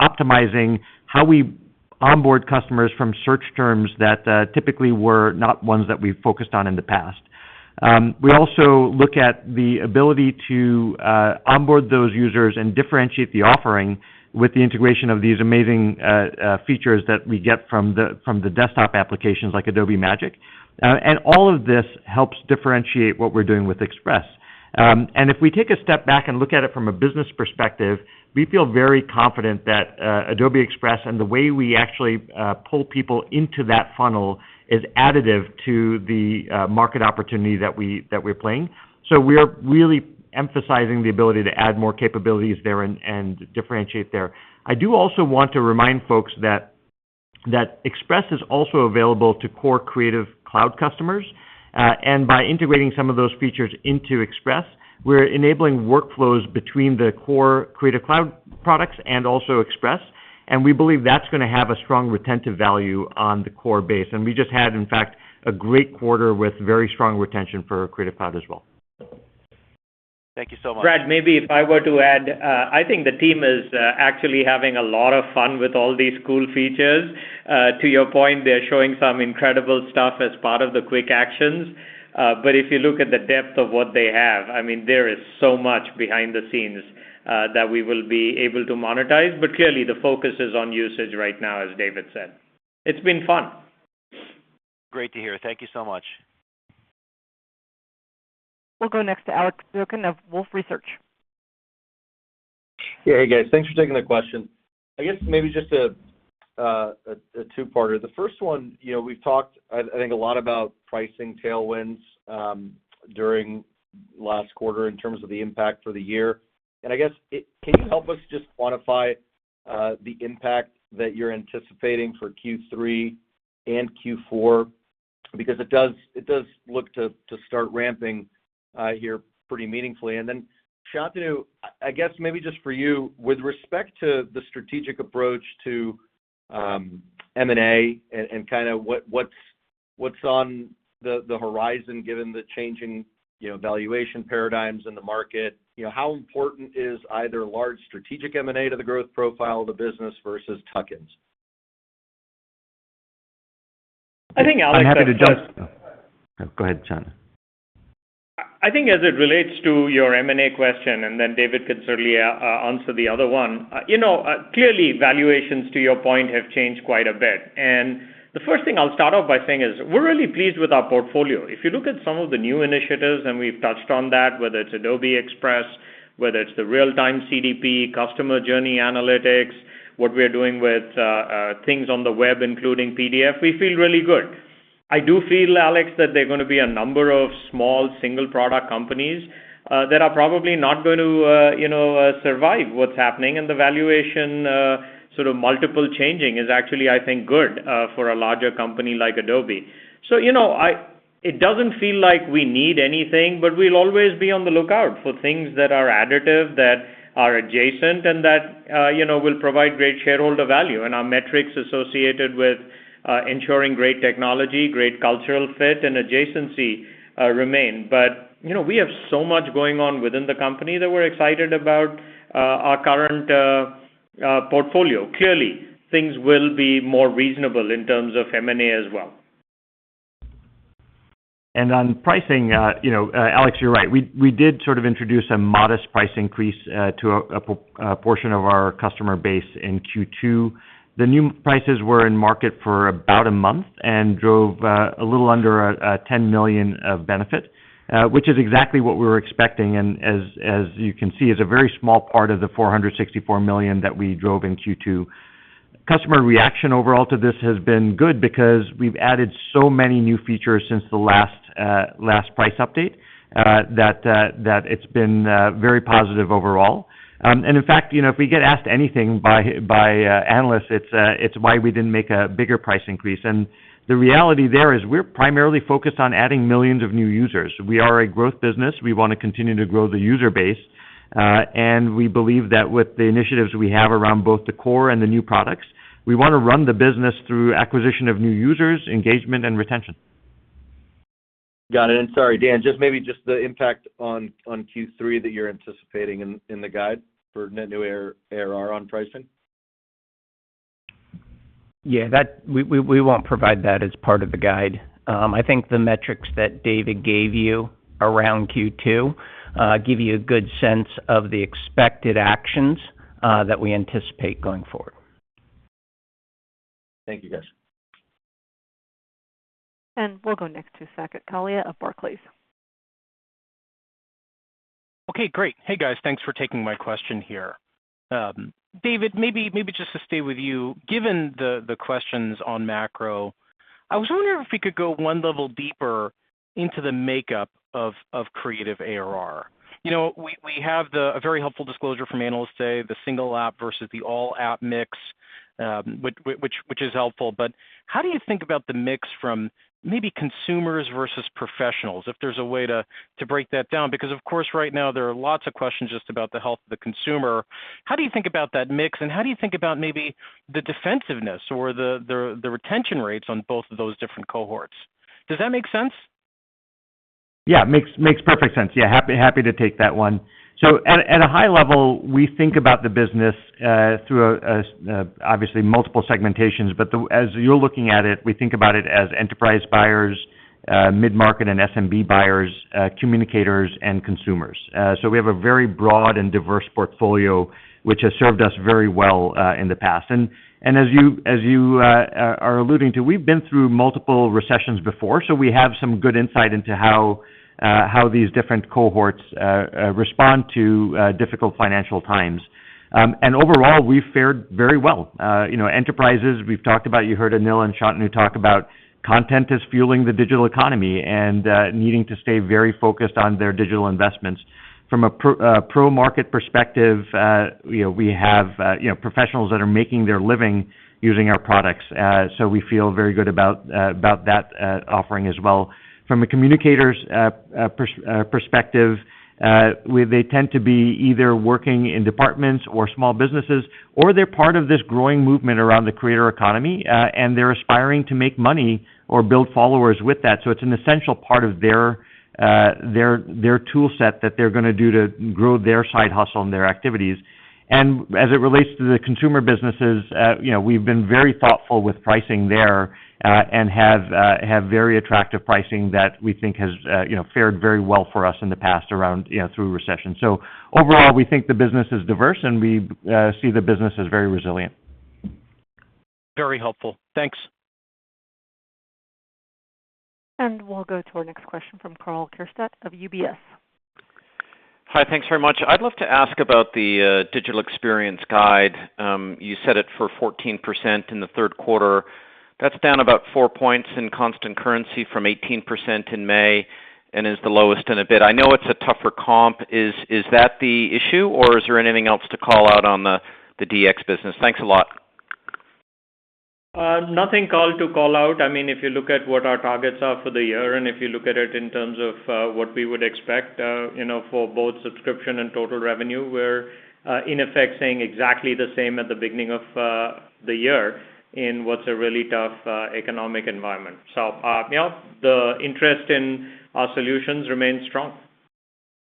S4: optimizing how we onboard customers from search terms that typically were not ones that we focused on in the past. We also look at the ability to onboard those users and differentiate the offering with the integration of these amazing features that we get from the desktop applications like Adobe Magic. All of this helps differentiate what we're doing with Express. If we take a step back and look at it from a business perspective, we feel very confident that Adobe Express and the way we actually pull people into that funnel is additive to the market opportunity that we're playing. We're really emphasizing the ability to add more capabilities there and differentiate there. I do also want to remind folks that Express is also available to core Creative Cloud customers. By integrating some of those features into Express, we're enabling workflows between the core Creative Cloud products and also Express. We believe that's going to have a strong retentive value on the core base. We just had, in fact, a great quarter with very strong retention for Creative Cloud as well.
S9: Thank you so much.
S3: Brad, maybe if I were to add, I think the team is actually having a lot of fun with all these cool features. To your point, they're showing some incredible stuff as part of the quick actions. If you look at the depth of what they have, I mean, there is so much behind the scenes that we will be able to monetize. Clearly, the focus is on usage right now, as David said. It's been fun.
S9: Great to hear. Thank you so much.
S1: We'll go next to Alex Zukin of Wolfe Research.
S10: Yeah. Hey, guys. Thanks for taking the question. I guess maybe just a two-parter. The first one, you know, we've talked, I think, a lot about pricing tailwinds during last quarter in terms of the impact for the year. I guess can you help us just quantify the impact that you're anticipating for Q3 and Q4? Because it does look to start ramping here pretty meaningfully. Shantanu, I guess maybe just for you, with respect to the strategic approach to M&A and kind of what's on the horizon given the changing, you know, valuation paradigms in the market, you know, how important is either large strategic M&A to the growth profile of the business versus tuck-ins?
S3: I think, Alex.
S4: I'm happy to jump. Go ahead, Shantanu.
S3: I think as it relates to your M&A question, and then David could certainly answer the other one. You know, clearly, valuations, to your point, have changed quite a bit. The first thing I'll start off by saying is we're really pleased with our portfolio. If you look at some of the new initiatives, and we've touched on that, whether it's Adobe Express, whether it's the Real-Time CDP, customer journey analytics, what we're doing with things on the web, including PDF, we feel really good. I do feel, Alex, that there are going to be a number of small single product companies that are probably not going to survive what's happening. The valuation sort of multiple changing is actually, I think, good for a larger company like Adobe. You know, it doesn't feel like we need anything, but we'll always be on the lookout for things that are additive, that are adjacent, and that, you know, will provide great shareholder value. Our metrics associated with ensuring great technology, great cultural fit and adjacency remain. You know, we have so much going on within the company that we're excited about our current portfolio. Clearly, things will be more reasonable in terms of M&A as well.
S4: On pricing, you know, Alex, you're right. We did sort of introduce a modest price increase to a portion of our customer base in Q2. The new prices were in market for about a month and drove a little under $10 million of benefit, which is exactly what we were expecting. As you can see, is a very small part of the $464 million that we drove in Q2. Customer reaction overall to this has been good because we've added so many new features since the last price update that it's been very positive overall. In fact, you know, if we get asked anything by analysts, it's why we didn't make a bigger price increase. The reality there is we're primarily focused on adding millions of new users. We are a growth business. We want to continue to grow the user base. We believe that with the initiatives we have around both the core and the new products, we want to run the business through acquisition of new users, engagement, and retention.
S10: Got it. Sorry, Dan, just maybe the impact on Q3 that you're anticipating in the guide for net new ARR on pricing.
S6: Yeah, that we won't provide that as part of the guide. I think the metrics that David gave you around Q2 give you a good sense of the expected actions that we anticipate going forward.
S10: Thank you, guys.
S1: We'll go next to Saket Kalia of Barclays.
S11: Okay, great. Hey, guys. Thanks for taking my question here. David, maybe just to stay with you. Given the questions on macro, I was wondering if we could go one level deeper into the makeup of creative ARR. We have a very helpful disclosure from Analysts Day, the single app versus the all app mix, which is helpful. But how do you think about the mix from maybe consumers versus professionals, if there's a way to break that down? Because, of course, right now there are lots of questions just about the health of the consumer. How do you think about that mix, and how do you think about maybe the defensiveness or the retention rates on both of those different cohorts? Does that make sense?
S4: Yeah, makes perfect sense. Yeah, happy to take that one. At a high level, we think about the business through a obviously multiple segmentations. As you're looking at it, we think about it as enterprise buyers, mid-market and SMB buyers, communicators and consumers. We have a very broad and diverse portfolio, which has served us very well in the past. As you are alluding to, we've been through multiple recessions before, so we have some good insight into how these different cohorts respond to difficult financial times. Overall we've fared very well. You know, enterprises we've talked about, you heard Anil and Shantanu talk about content is fueling the digital economy and needing to stay very focused on their digital investments. From a pro-market perspective, you know, we have professionals that are making their living using our products. So we feel very good about that offering as well. From a communicators' perspective, they tend to be either working in departments or small businesses, or they're part of this growing movement around the creator economy, and they're aspiring to make money or build followers with that. So it's an essential part of their tool set that they're going to do to grow their side hustle and their activities. As it relates to the consumer businesses, you know, we've been very thoughtful with pricing there, and have very attractive pricing that we think has, you know, fared very well for us in the past around, you know, through recession. Overall, we think the business is diverse, and we see the business as very resilient.
S11: Very helpful. Thanks.
S1: We'll go to our next question from Karl Keirstead of UBS.
S12: Hi. Thanks very much. I'd love to ask about the digital experience guidance. You set it for 14% in the third quarter. That's down about 4 points in constant currency from 18% in May and is the lowest in a bit. I know it's a tougher comp. Is that the issue, or is there anything else to call out on the DX business? Thanks a lot.
S3: Nothing to call out. I mean, if you look at what our targets are for the year, and if you look at it in terms of what we would expect, you know, for both subscription and total revenue, we're in effect saying exactly the same at the beginning of the year in what's a really tough economic environment. You know, the interest in our solutions remains strong.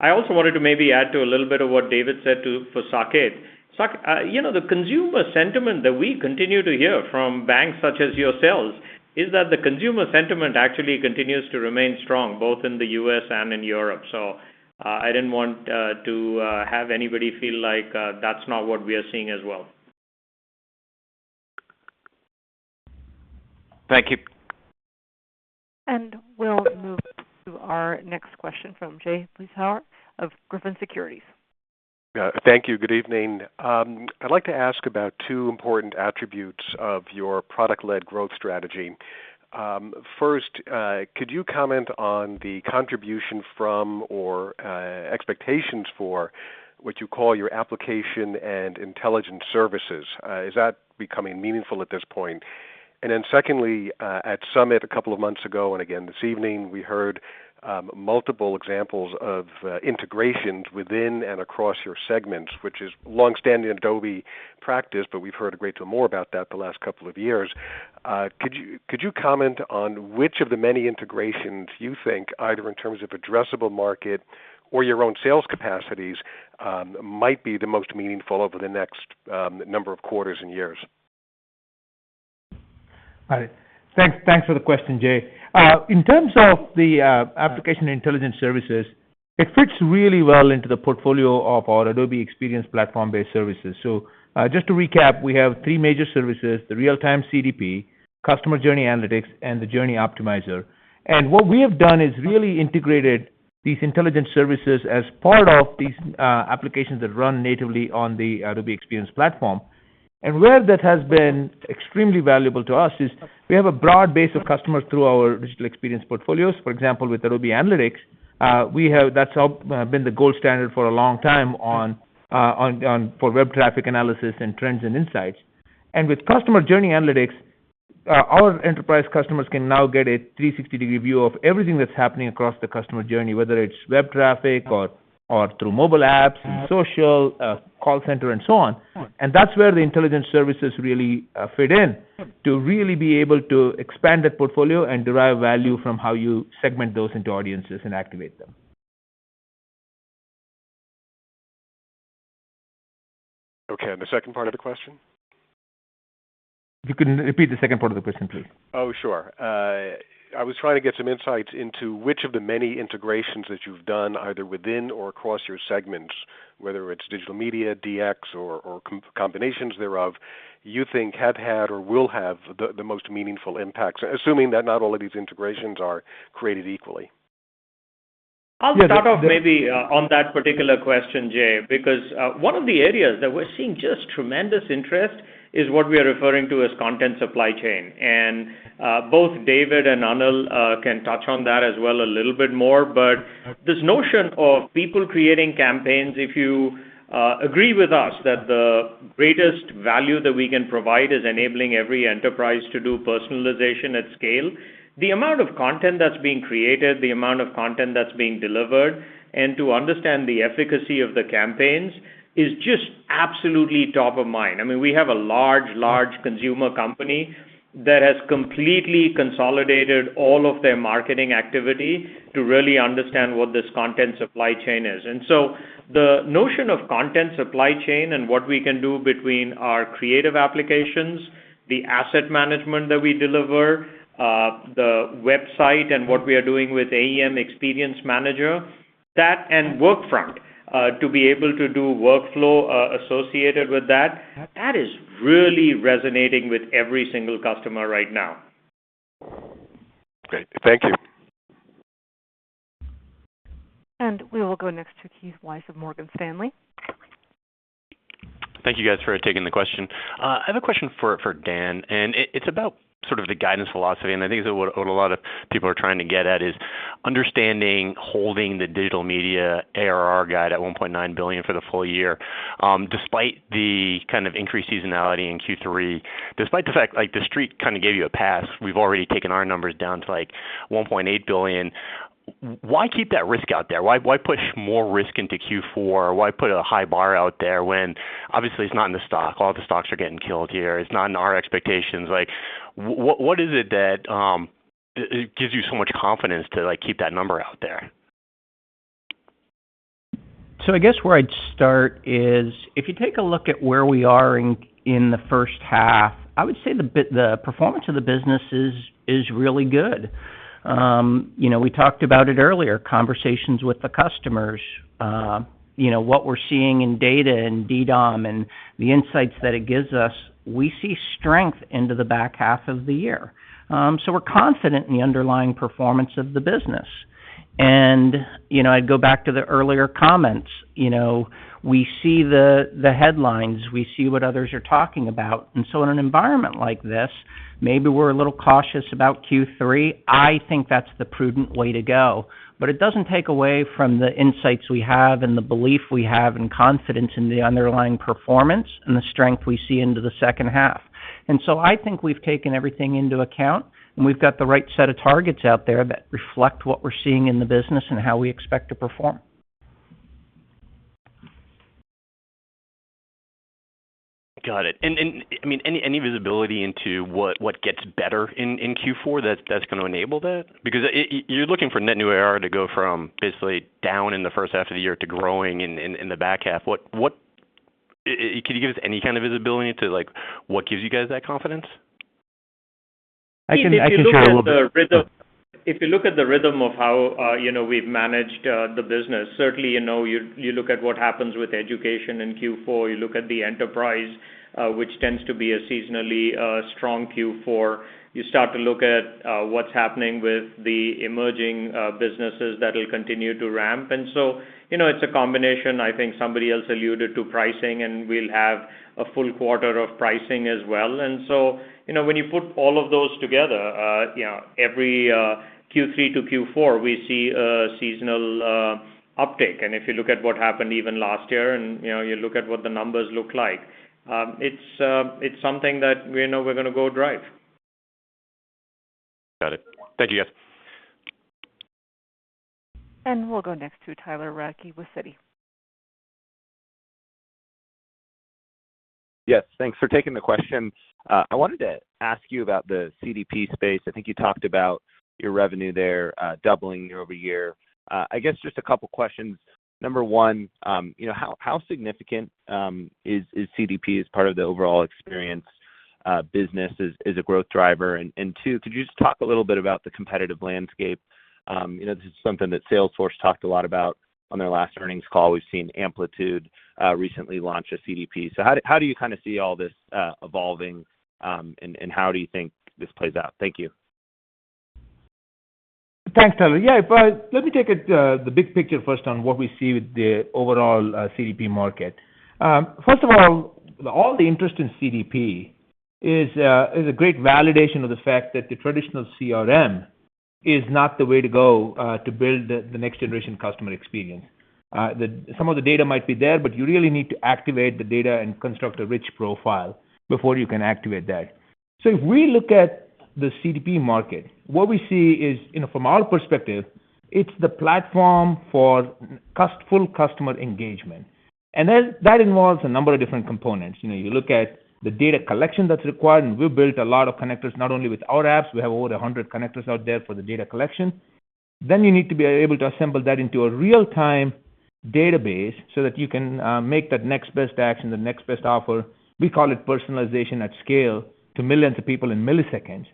S3: I also wanted to maybe add to a little bit of what David said for Saket. Saket, you know, the consumer sentiment that we continue to hear from banks such as yourselves is that the consumer sentiment actually continues to remain strong both in the U.S. and in Europe. I didn't want to have anybody feel like that's not what we are seeing as well.
S12: Thank you.
S1: We'll move to our next question from Jay Vleeschhouwer of Griffin Securities.
S13: Yeah. Thank you. Good evening. I'd like to ask about two important attributes of your product-led growth strategy. First, could you comment on the contribution from or expectations for what you call your application and intelligent services? Is that becoming meaningful at this point? Secondly, at Summit a couple of months ago and again this evening, we heard multiple examples of integrations within and across your segments, which is long-standing Adobe practice, but we've heard a great deal more about that the last couple of years. Could you comment on which of the many integrations you think, either in terms of addressable market or your own sales capacities, might be the most meaningful over the next number of quarters and years?
S5: All right. Thanks for the question, Jay. In terms of the application intelligence services, it fits really well into the portfolio of our Adobe Experience Platform-based services. Just to recap, we have three major services, the Real-Time CDP, Customer Journey Analytics, and the Journey Optimizer. What we have done is really integrated these intelligence services as part of these applications that run natively on the Adobe Experience Platform. Where that has been extremely valuable to us is we have a broad base of customers through our digital experience portfolios. For example, with Adobe Analytics, that's all been the gold standard for a long time for web traffic analysis and trends and insights. With Customer Journey Analytics, our enterprise customers can now get a 360-degree view of everything that's happening across the customer journey, whether it's web traffic or through mobile apps and social, call center and so on. That's where the intelligence services really fit in, to really be able to expand that portfolio and derive value from how you segment those into audiences and activate them.
S13: Okay. The second part of the question?
S5: If you can repeat the second part of the question, please.
S13: Oh, sure. I was trying to get some insights into which of the many integrations that you've done, either within or across your segments, whether it's Digital Media, DX or combinations thereof, you think have had or will have the most meaningful impacts, assuming that not all of these integrations are created equally.
S3: I'll start off maybe on that particular question, Jay, because one of the areas that we're seeing just tremendous interest is what we are referring to as content supply chain. Both David and Anil can touch on that as well a little bit more. This notion of people creating campaigns, if you agree with us that the greatest value that we can provide is enabling every enterprise to do personalization at scale, the amount of content that's being created, the amount of content that's being delivered, and to understand the efficacy of the campaigns is just absolutely top of mind. I mean, we have a large consumer company that has completely consolidated all of their marketing activity to really understand what this content supply chain is. The notion of content supply chain and what we can do between our creative applications, the asset management that we deliver, the website and what we are doing with AEM, Experience Manager, that and Workfront, to be able to do workflow associated with that is really resonating with every single customer right now.
S13: Great. Thank you.
S1: We will go next to Keith Weiss of Morgan Stanley.
S14: Thank you guys for taking the question. I have a question for Dan, and it's about sort of the guidance philosophy, and I think this is what a lot of people are trying to get at, is understanding holding the Digital Media ARR guide at $1.9 billion for the full year, despite the kind of increased seasonality in Q3, despite the fact, like TheStreet kind of gave you a pass. We've already taken our numbers down to like $1.8 billion. Why keep that risk out there? Why push more risk into Q4? Why put a high bar out there when obviously it's not in the stock? All the stocks are getting killed here. It's not in our expectations. Like what is it that gives you so much confidence to like keep that number out there?
S6: I guess where I'd start is if you take a look at where we are in the first half, I would say the performance of the business is really good. You know, we talked about it earlier, conversations with the customers, you know, what we're seeing in data and DDOM and the insights that it gives us, we see strength into the back half of the year. We're confident in the underlying performance of the business. You know, I'd go back to the earlier comments, you know, we see the headlines, we see what others are talking about. In an environment like this, maybe we're a little cautious about Q3. I think that's the prudent way to go. It doesn't take away from the insights we have and the belief we have and confidence in the underlying performance and the strength we see into the second half. I think we've taken everything into account, and we've got the right set of targets out there that reflect what we're seeing in the business and how we expect to perform.
S14: Got it. I mean, any visibility into what gets better in Q4 that's going to enable that? Because you're looking for net new ARR to go from basically down in the first half of the year to growing in the back half. What could you give us any kind of visibility into like what gives you guys that confidence?
S6: I can share a little bit.
S3: If you look at the rhythm of how you know we've managed the business, certainly, you know, you look at what happens with education in Q4, you look at the enterprise, which tends to be a seasonally strong Q4, you start to look at what's happening with the emerging businesses that'll continue to ramp. You know, it's a combination. I think somebody else alluded to pricing, and we'll have a full quarter of pricing as well. You know, when you put all of those together, you know, every Q3 to Q4, we see a seasonal uptick. If you look at what happened even last year and, you know, you look at what the numbers look like, it's something that we know we're going to go drive.
S14: Got it. Thank you, guys.
S1: We'll go next to Tyler Radke with Citi.
S15: Yes, thanks for taking the question. I wanted to ask you about the CDP space. I think you talked about your revenue there, doubling year over year. I guess just a couple questions. Number one, you know, how significant is CDP as part of the overall experience business as a growth driver? Two, could you just talk a little bit about the competitive landscape? You know, this is something that Salesforce talked a lot about on their last earnings call. We've seen Amplitude recently launch a CDP. So how do you kind of see all this evolving, and how do you think this plays out? Thank you.
S5: Thanks, Tyler. Yeah, but let me take it the big picture first on what we see with the overall CDP market. First of all the interest in CDP is a great validation of the fact that the traditional CRM is not the way to go to build the next generation customer experience. Some of the data might be there, but you really need to activate the data and construct a rich profile before you can activate that. If we look at the CDP market, what we see is, you know, from our perspective, it's the platform for full customer engagement. Then that involves a number of different components. You know, you look at the data collection that's required, and we built a lot of connectors, not only with our apps. We have over 100 connectors out there for the data collection. You need to be able to assemble that into a real-time database so that you can make that next best action, the next best offer. We call it personalization at scale, to millions of people in milliseconds.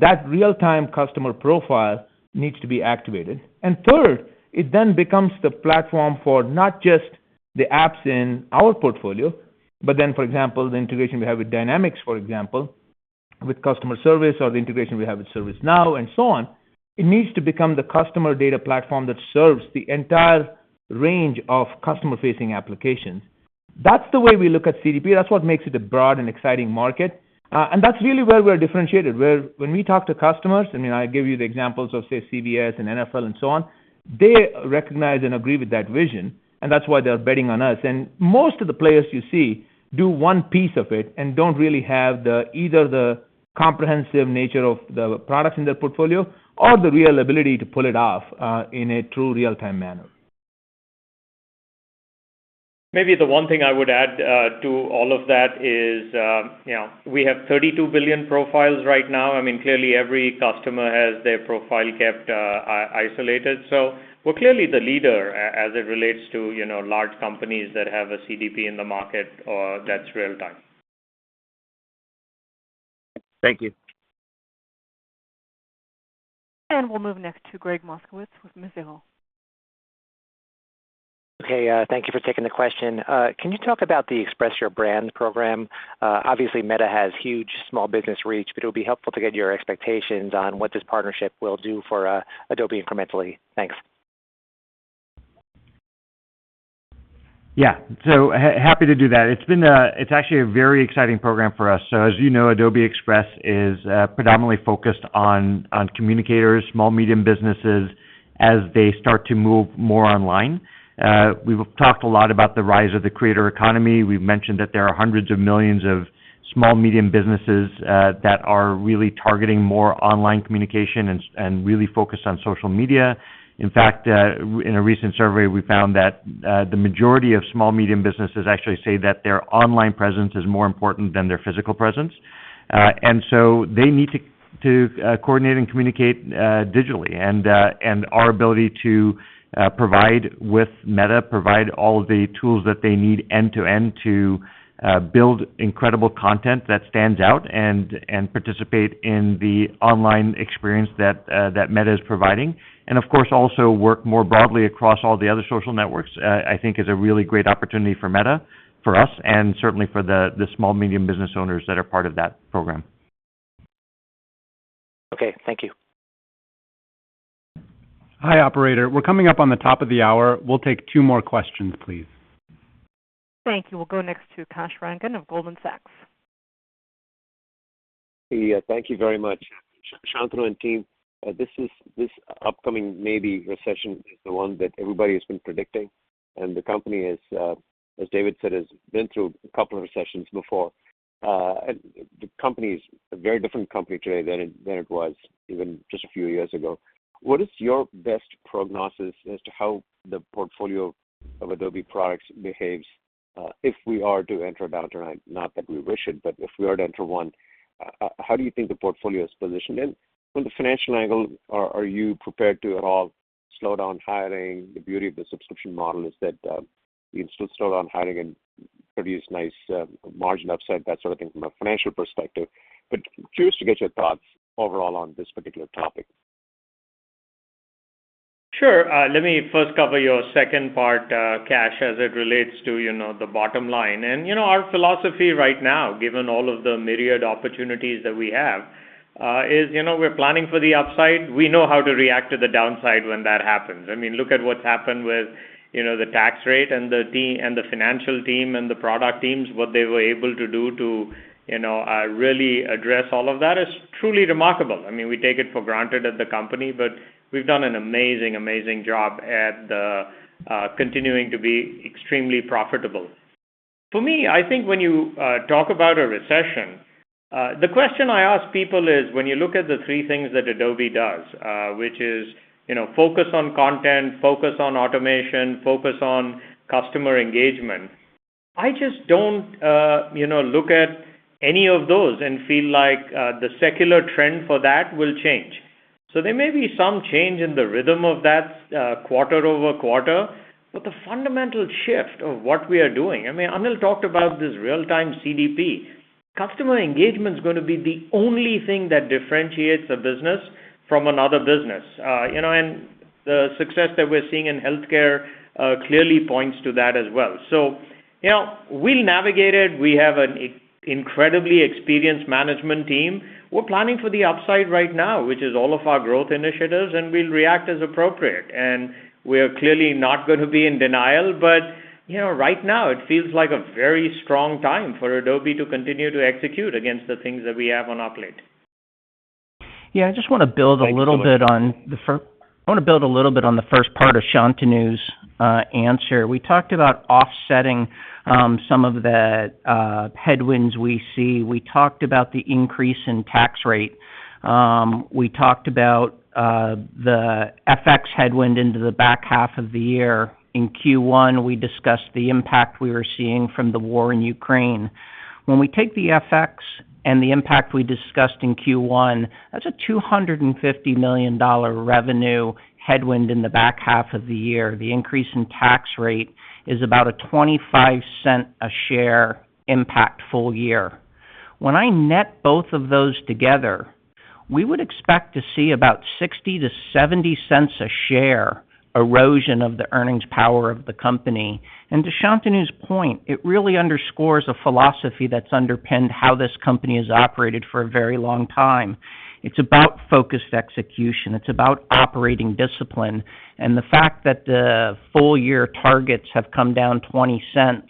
S5: That real-time customer profile needs to be activated. Third, it then becomes the platform for not just the apps in our portfolio, but then, for example, the integration we have with Dynamics, for example, with customer service or the integration we have with ServiceNow and so on. It needs to become the customer data platform that serves the entire range of customer-facing applications. That's the way we look at CDP. That's what makes it a broad and exciting market. That's really where we're differentiated, where when we talk to customers, I mean, I give you the examples of, say, CVS and NFL and so on, they recognize and agree with that vision, and that's why they're betting on us. Most of the players you see do one piece of it and don't really have the, either the comprehensive nature of the products in their portfolio or the real ability to pull it off, in a true real-time manner.
S3: Maybe the one thing I would add to all of that is, you know, we have 32 billion profiles right now. I mean, clearly every customer has their profile kept isolated. So we're clearly the leader as it relates to, you know, large companies that have a CDP in the market or that's real-time.
S15: Thank you.
S1: We'll move next to Gregg Moskowitz with Mizuho.
S16: Okay, thank you for taking the question. Can you talk about the Express Your Brand program? Obviously, Meta has huge small business reach, but it'll be helpful to get your expectations on what this partnership will do for Adobe incrementally. Thanks.
S4: Yeah. Happy to do that. It's actually a very exciting program for us. As you know, Adobe Express is predominantly focused on communicators, small, medium businesses as they start to move more online. We've talked a lot about the rise of the creator economy. We've mentioned that there are hundreds of millions of small, medium businesses that are really targeting more online communication and really focused on social media. In fact, in a recent survey, we found that the majority of small, medium businesses actually say that their online presence is more important than their physical presence. They need to coordinate and communicate digitally. Our ability to provide with Meta all of the tools that they need end to end to build incredible content that stands out and participate in the online experience that Meta is providing, and of course, also work more broadly across all the other social networks. I think is a really great opportunity for Meta, for us, and certainly for the small, medium business owners that are part of that program.
S16: Okay. Thank you.
S2: Hi, Operator. We're coming up on the top of the hour. We'll take two more questions, please.
S1: Thank you. We'll go next to Kash Rangan of Goldman Sachs.
S17: Yeah. Thank you very much. Shantanu and team, this upcoming maybe recession is the one that everybody has been predicting, and the company is, as David said, has been through a couple of recessions before. The company is a very different company today than it was even just a few years ago. What is your best prognosis as to how the portfolio of Adobe products behaves, if we are to enter a downturn? Not that we wish it, but if we are to enter one, how do you think the portfolio is positioned? And from the financial angle, are you prepared to at all slow down hiring? The beauty of the subscription model is that, you can still slow down hiring and produce nice margin upside, that sort of thing from a financial perspective. Curious to get your thoughts overall on this particular topic.
S3: Sure. Let me first cover your second part, Kash, as it relates to, you know, the bottom line. You know, our philosophy right now, given all of the myriad opportunities that we have, is, you know, we're planning for the upside. We know how to react to the downside when that happens. I mean, look at what's happened with, you know, the tax rate and the financial team and the product teams, what they were able to do to, you know, really address all of that is truly remarkable. I mean, we take it for granted at the company, but we've done an amazing job at continuing to be extremely profitable. For me, I think when you talk about a recession, the question I ask people is, when you look at the three things that Adobe does, which is, you know, focus on content, focus on automation, focus on customer engagement, I just don't, you know, look at any of those and feel like the secular trend for that will change. There may be some change in the rhythm of that, quarter-over-quarter, but the fundamental shift of what we are doing, I mean, Anil talked about this Real-Time CDP. Customer engagement is going to be the only thing that differentiates a business from another business. You know, and the success that we're seeing in healthcare clearly points to that as well. We navigate it. We have an incredibly experienced management team. We're planning for the upside right now, which is all of our growth initiatives, and we'll react as appropriate. We're clearly not going to be in denial, but, you know, right now it feels like a very strong time for Adobe to continue to execute against the things that we have on our plate.
S6: Yeah. I want to build a little bit on the first part of Shantanu's answer. We talked about offsetting some of the headwinds we see. We talked about the increase in tax rate. We talked about the FX headwind into the back half of the year. In Q1, we discussed the impact we were seeing from the war in Ukraine. When we take the FX and the impact we discussed in Q1, that's a $250 million revenue headwind in the back half of the year. The increase in tax rate is about a $0.25 a share impact full year. When I net both of those together, we would expect to see about $0.60-$0.70 a share erosion of the earnings power of the company. To Shantanu's point, it really underscores a philosophy that's underpinned how this company has operated for a very long time. It's about focused execution. It's about operating discipline. The fact that the full year targets have come down $0.20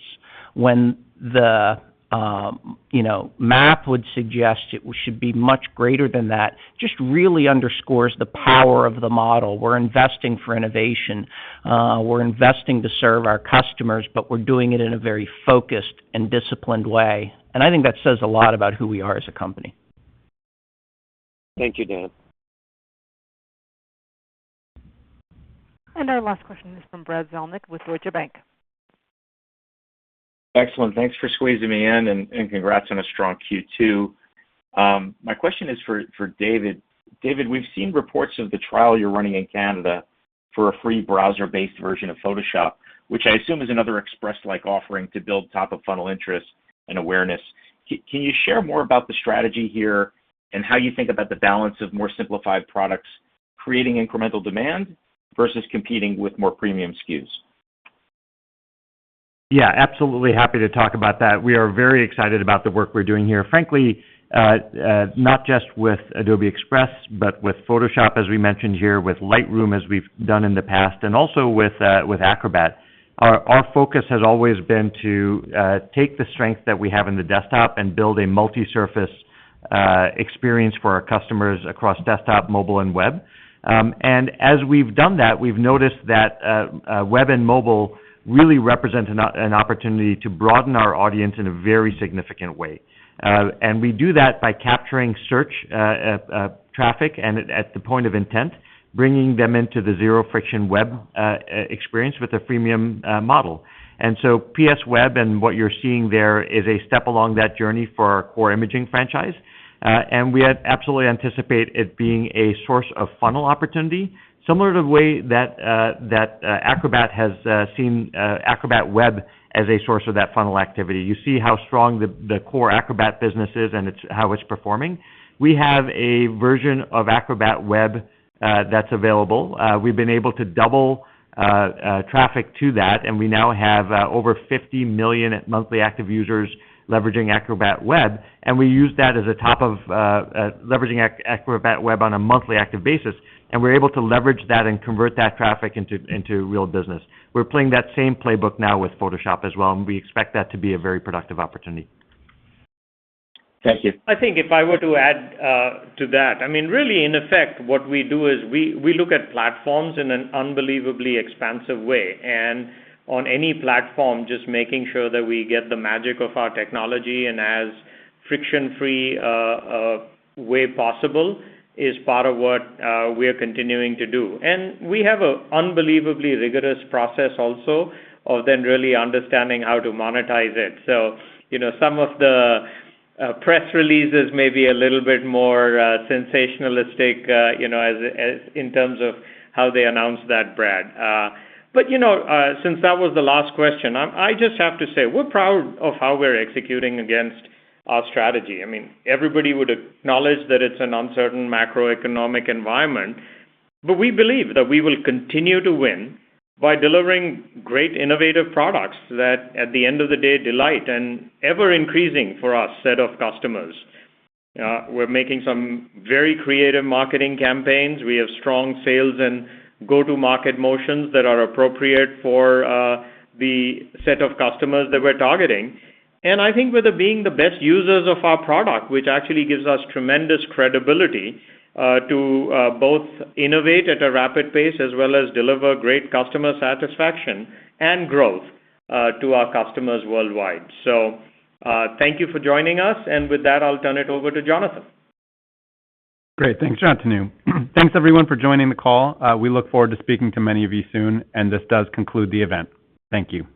S6: when the math would suggest it should be much greater than that, just really underscores the power of the model. We're investing for innovation. We're investing to serve our customers, but we're doing it in a very focused and disciplined way. I think that says a lot about who we are as a company.
S17: Thank you, Dan.
S1: Our last question is from Brad Zelnick with Deutsche Bank.
S18: Excellent. Thanks for squeezing me in, and congrats on a strong Q2. My question is for David. David, we've seen reports of the trial you're running in Canada for a free browser-based version of Photoshop, which I assume is another Express-like offering to build top-of-funnel interest and awareness. Can you share more about the strategy here? How you think about the balance of more simplified products creating incremental demand versus competing with more premium SKUs?
S4: Yeah, absolutely happy to talk about that. We are very excited about the work we're doing here, frankly, not just with Adobe Express, but with Photoshop, as we mentioned here, with Lightroom, as we've done in the past, and also with Acrobat. Our focus has always been to take the strength that we have in the desktop and build a multi-surface experience for our customers across desktop, mobile, and web. As we've done that, we've noticed that web and mobile really represent an opportunity to broaden our audience in a very significant way. We do that by capturing search traffic and at the point of intent, bringing them into the zero-friction web experience with a freemium model. Photoshop on the web and what you're seeing there is a step along that journey for our core imaging franchise. We absolutely anticipate it being a source of funnel opportunity, similar to the way that Acrobat has seen Acrobat on the web as a source of that funnel activity. You see how strong the core Acrobat business is, and how it's performing. We have a version of Acrobat on the web that's available. We've been able to double traffic to that, and we now have over 50 million monthly active users leveraging Acrobat on the web, and we use that as a top of funnel leveraging Acrobat on the web on a monthly active basis, and we're able to leverage that and convert that traffic into real business. We're playing that same playbook now with Photoshop as well, and we expect that to be a very productive opportunity.
S18: Thank you.
S3: I think if I were to add to that, I mean, really, in effect, what we do is we look at platforms in an unbelievably expansive way. On any platform, just making sure that we get the magic of our technology in as friction-free way possible is part of what we are continuing to do. We have a unbelievably rigorous process also of then really understanding how to monetize it. You know, some of the press releases may be a little bit more sensationalistic, you know, as in terms of how they announce that, Brad. You know, since that was the last question, I just have to say, we're proud of how we're executing against our strategy. I mean, everybody would acknowledge that it's an uncertain macroeconomic environment, but we believe that we will continue to win by delivering great innovative products that, at the end of the day, delight an ever-increasing for our set of customers. We're making some very creative marketing campaigns. We have strong sales and go-to-market motions that are appropriate for the set of customers that we're targeting. I think we're being the best users of our product, which actually gives us tremendous credibility to both innovate at a rapid pace as well as deliver great customer satisfaction and growth to our customers worldwide. Thank you for joining us. With that, I'll turn it over to Jonathan.
S2: Great. Thanks, Shantanu. Thanks everyone for joining the call. We look forward to speaking to many of you soon, and this does conclude the event. Thank you.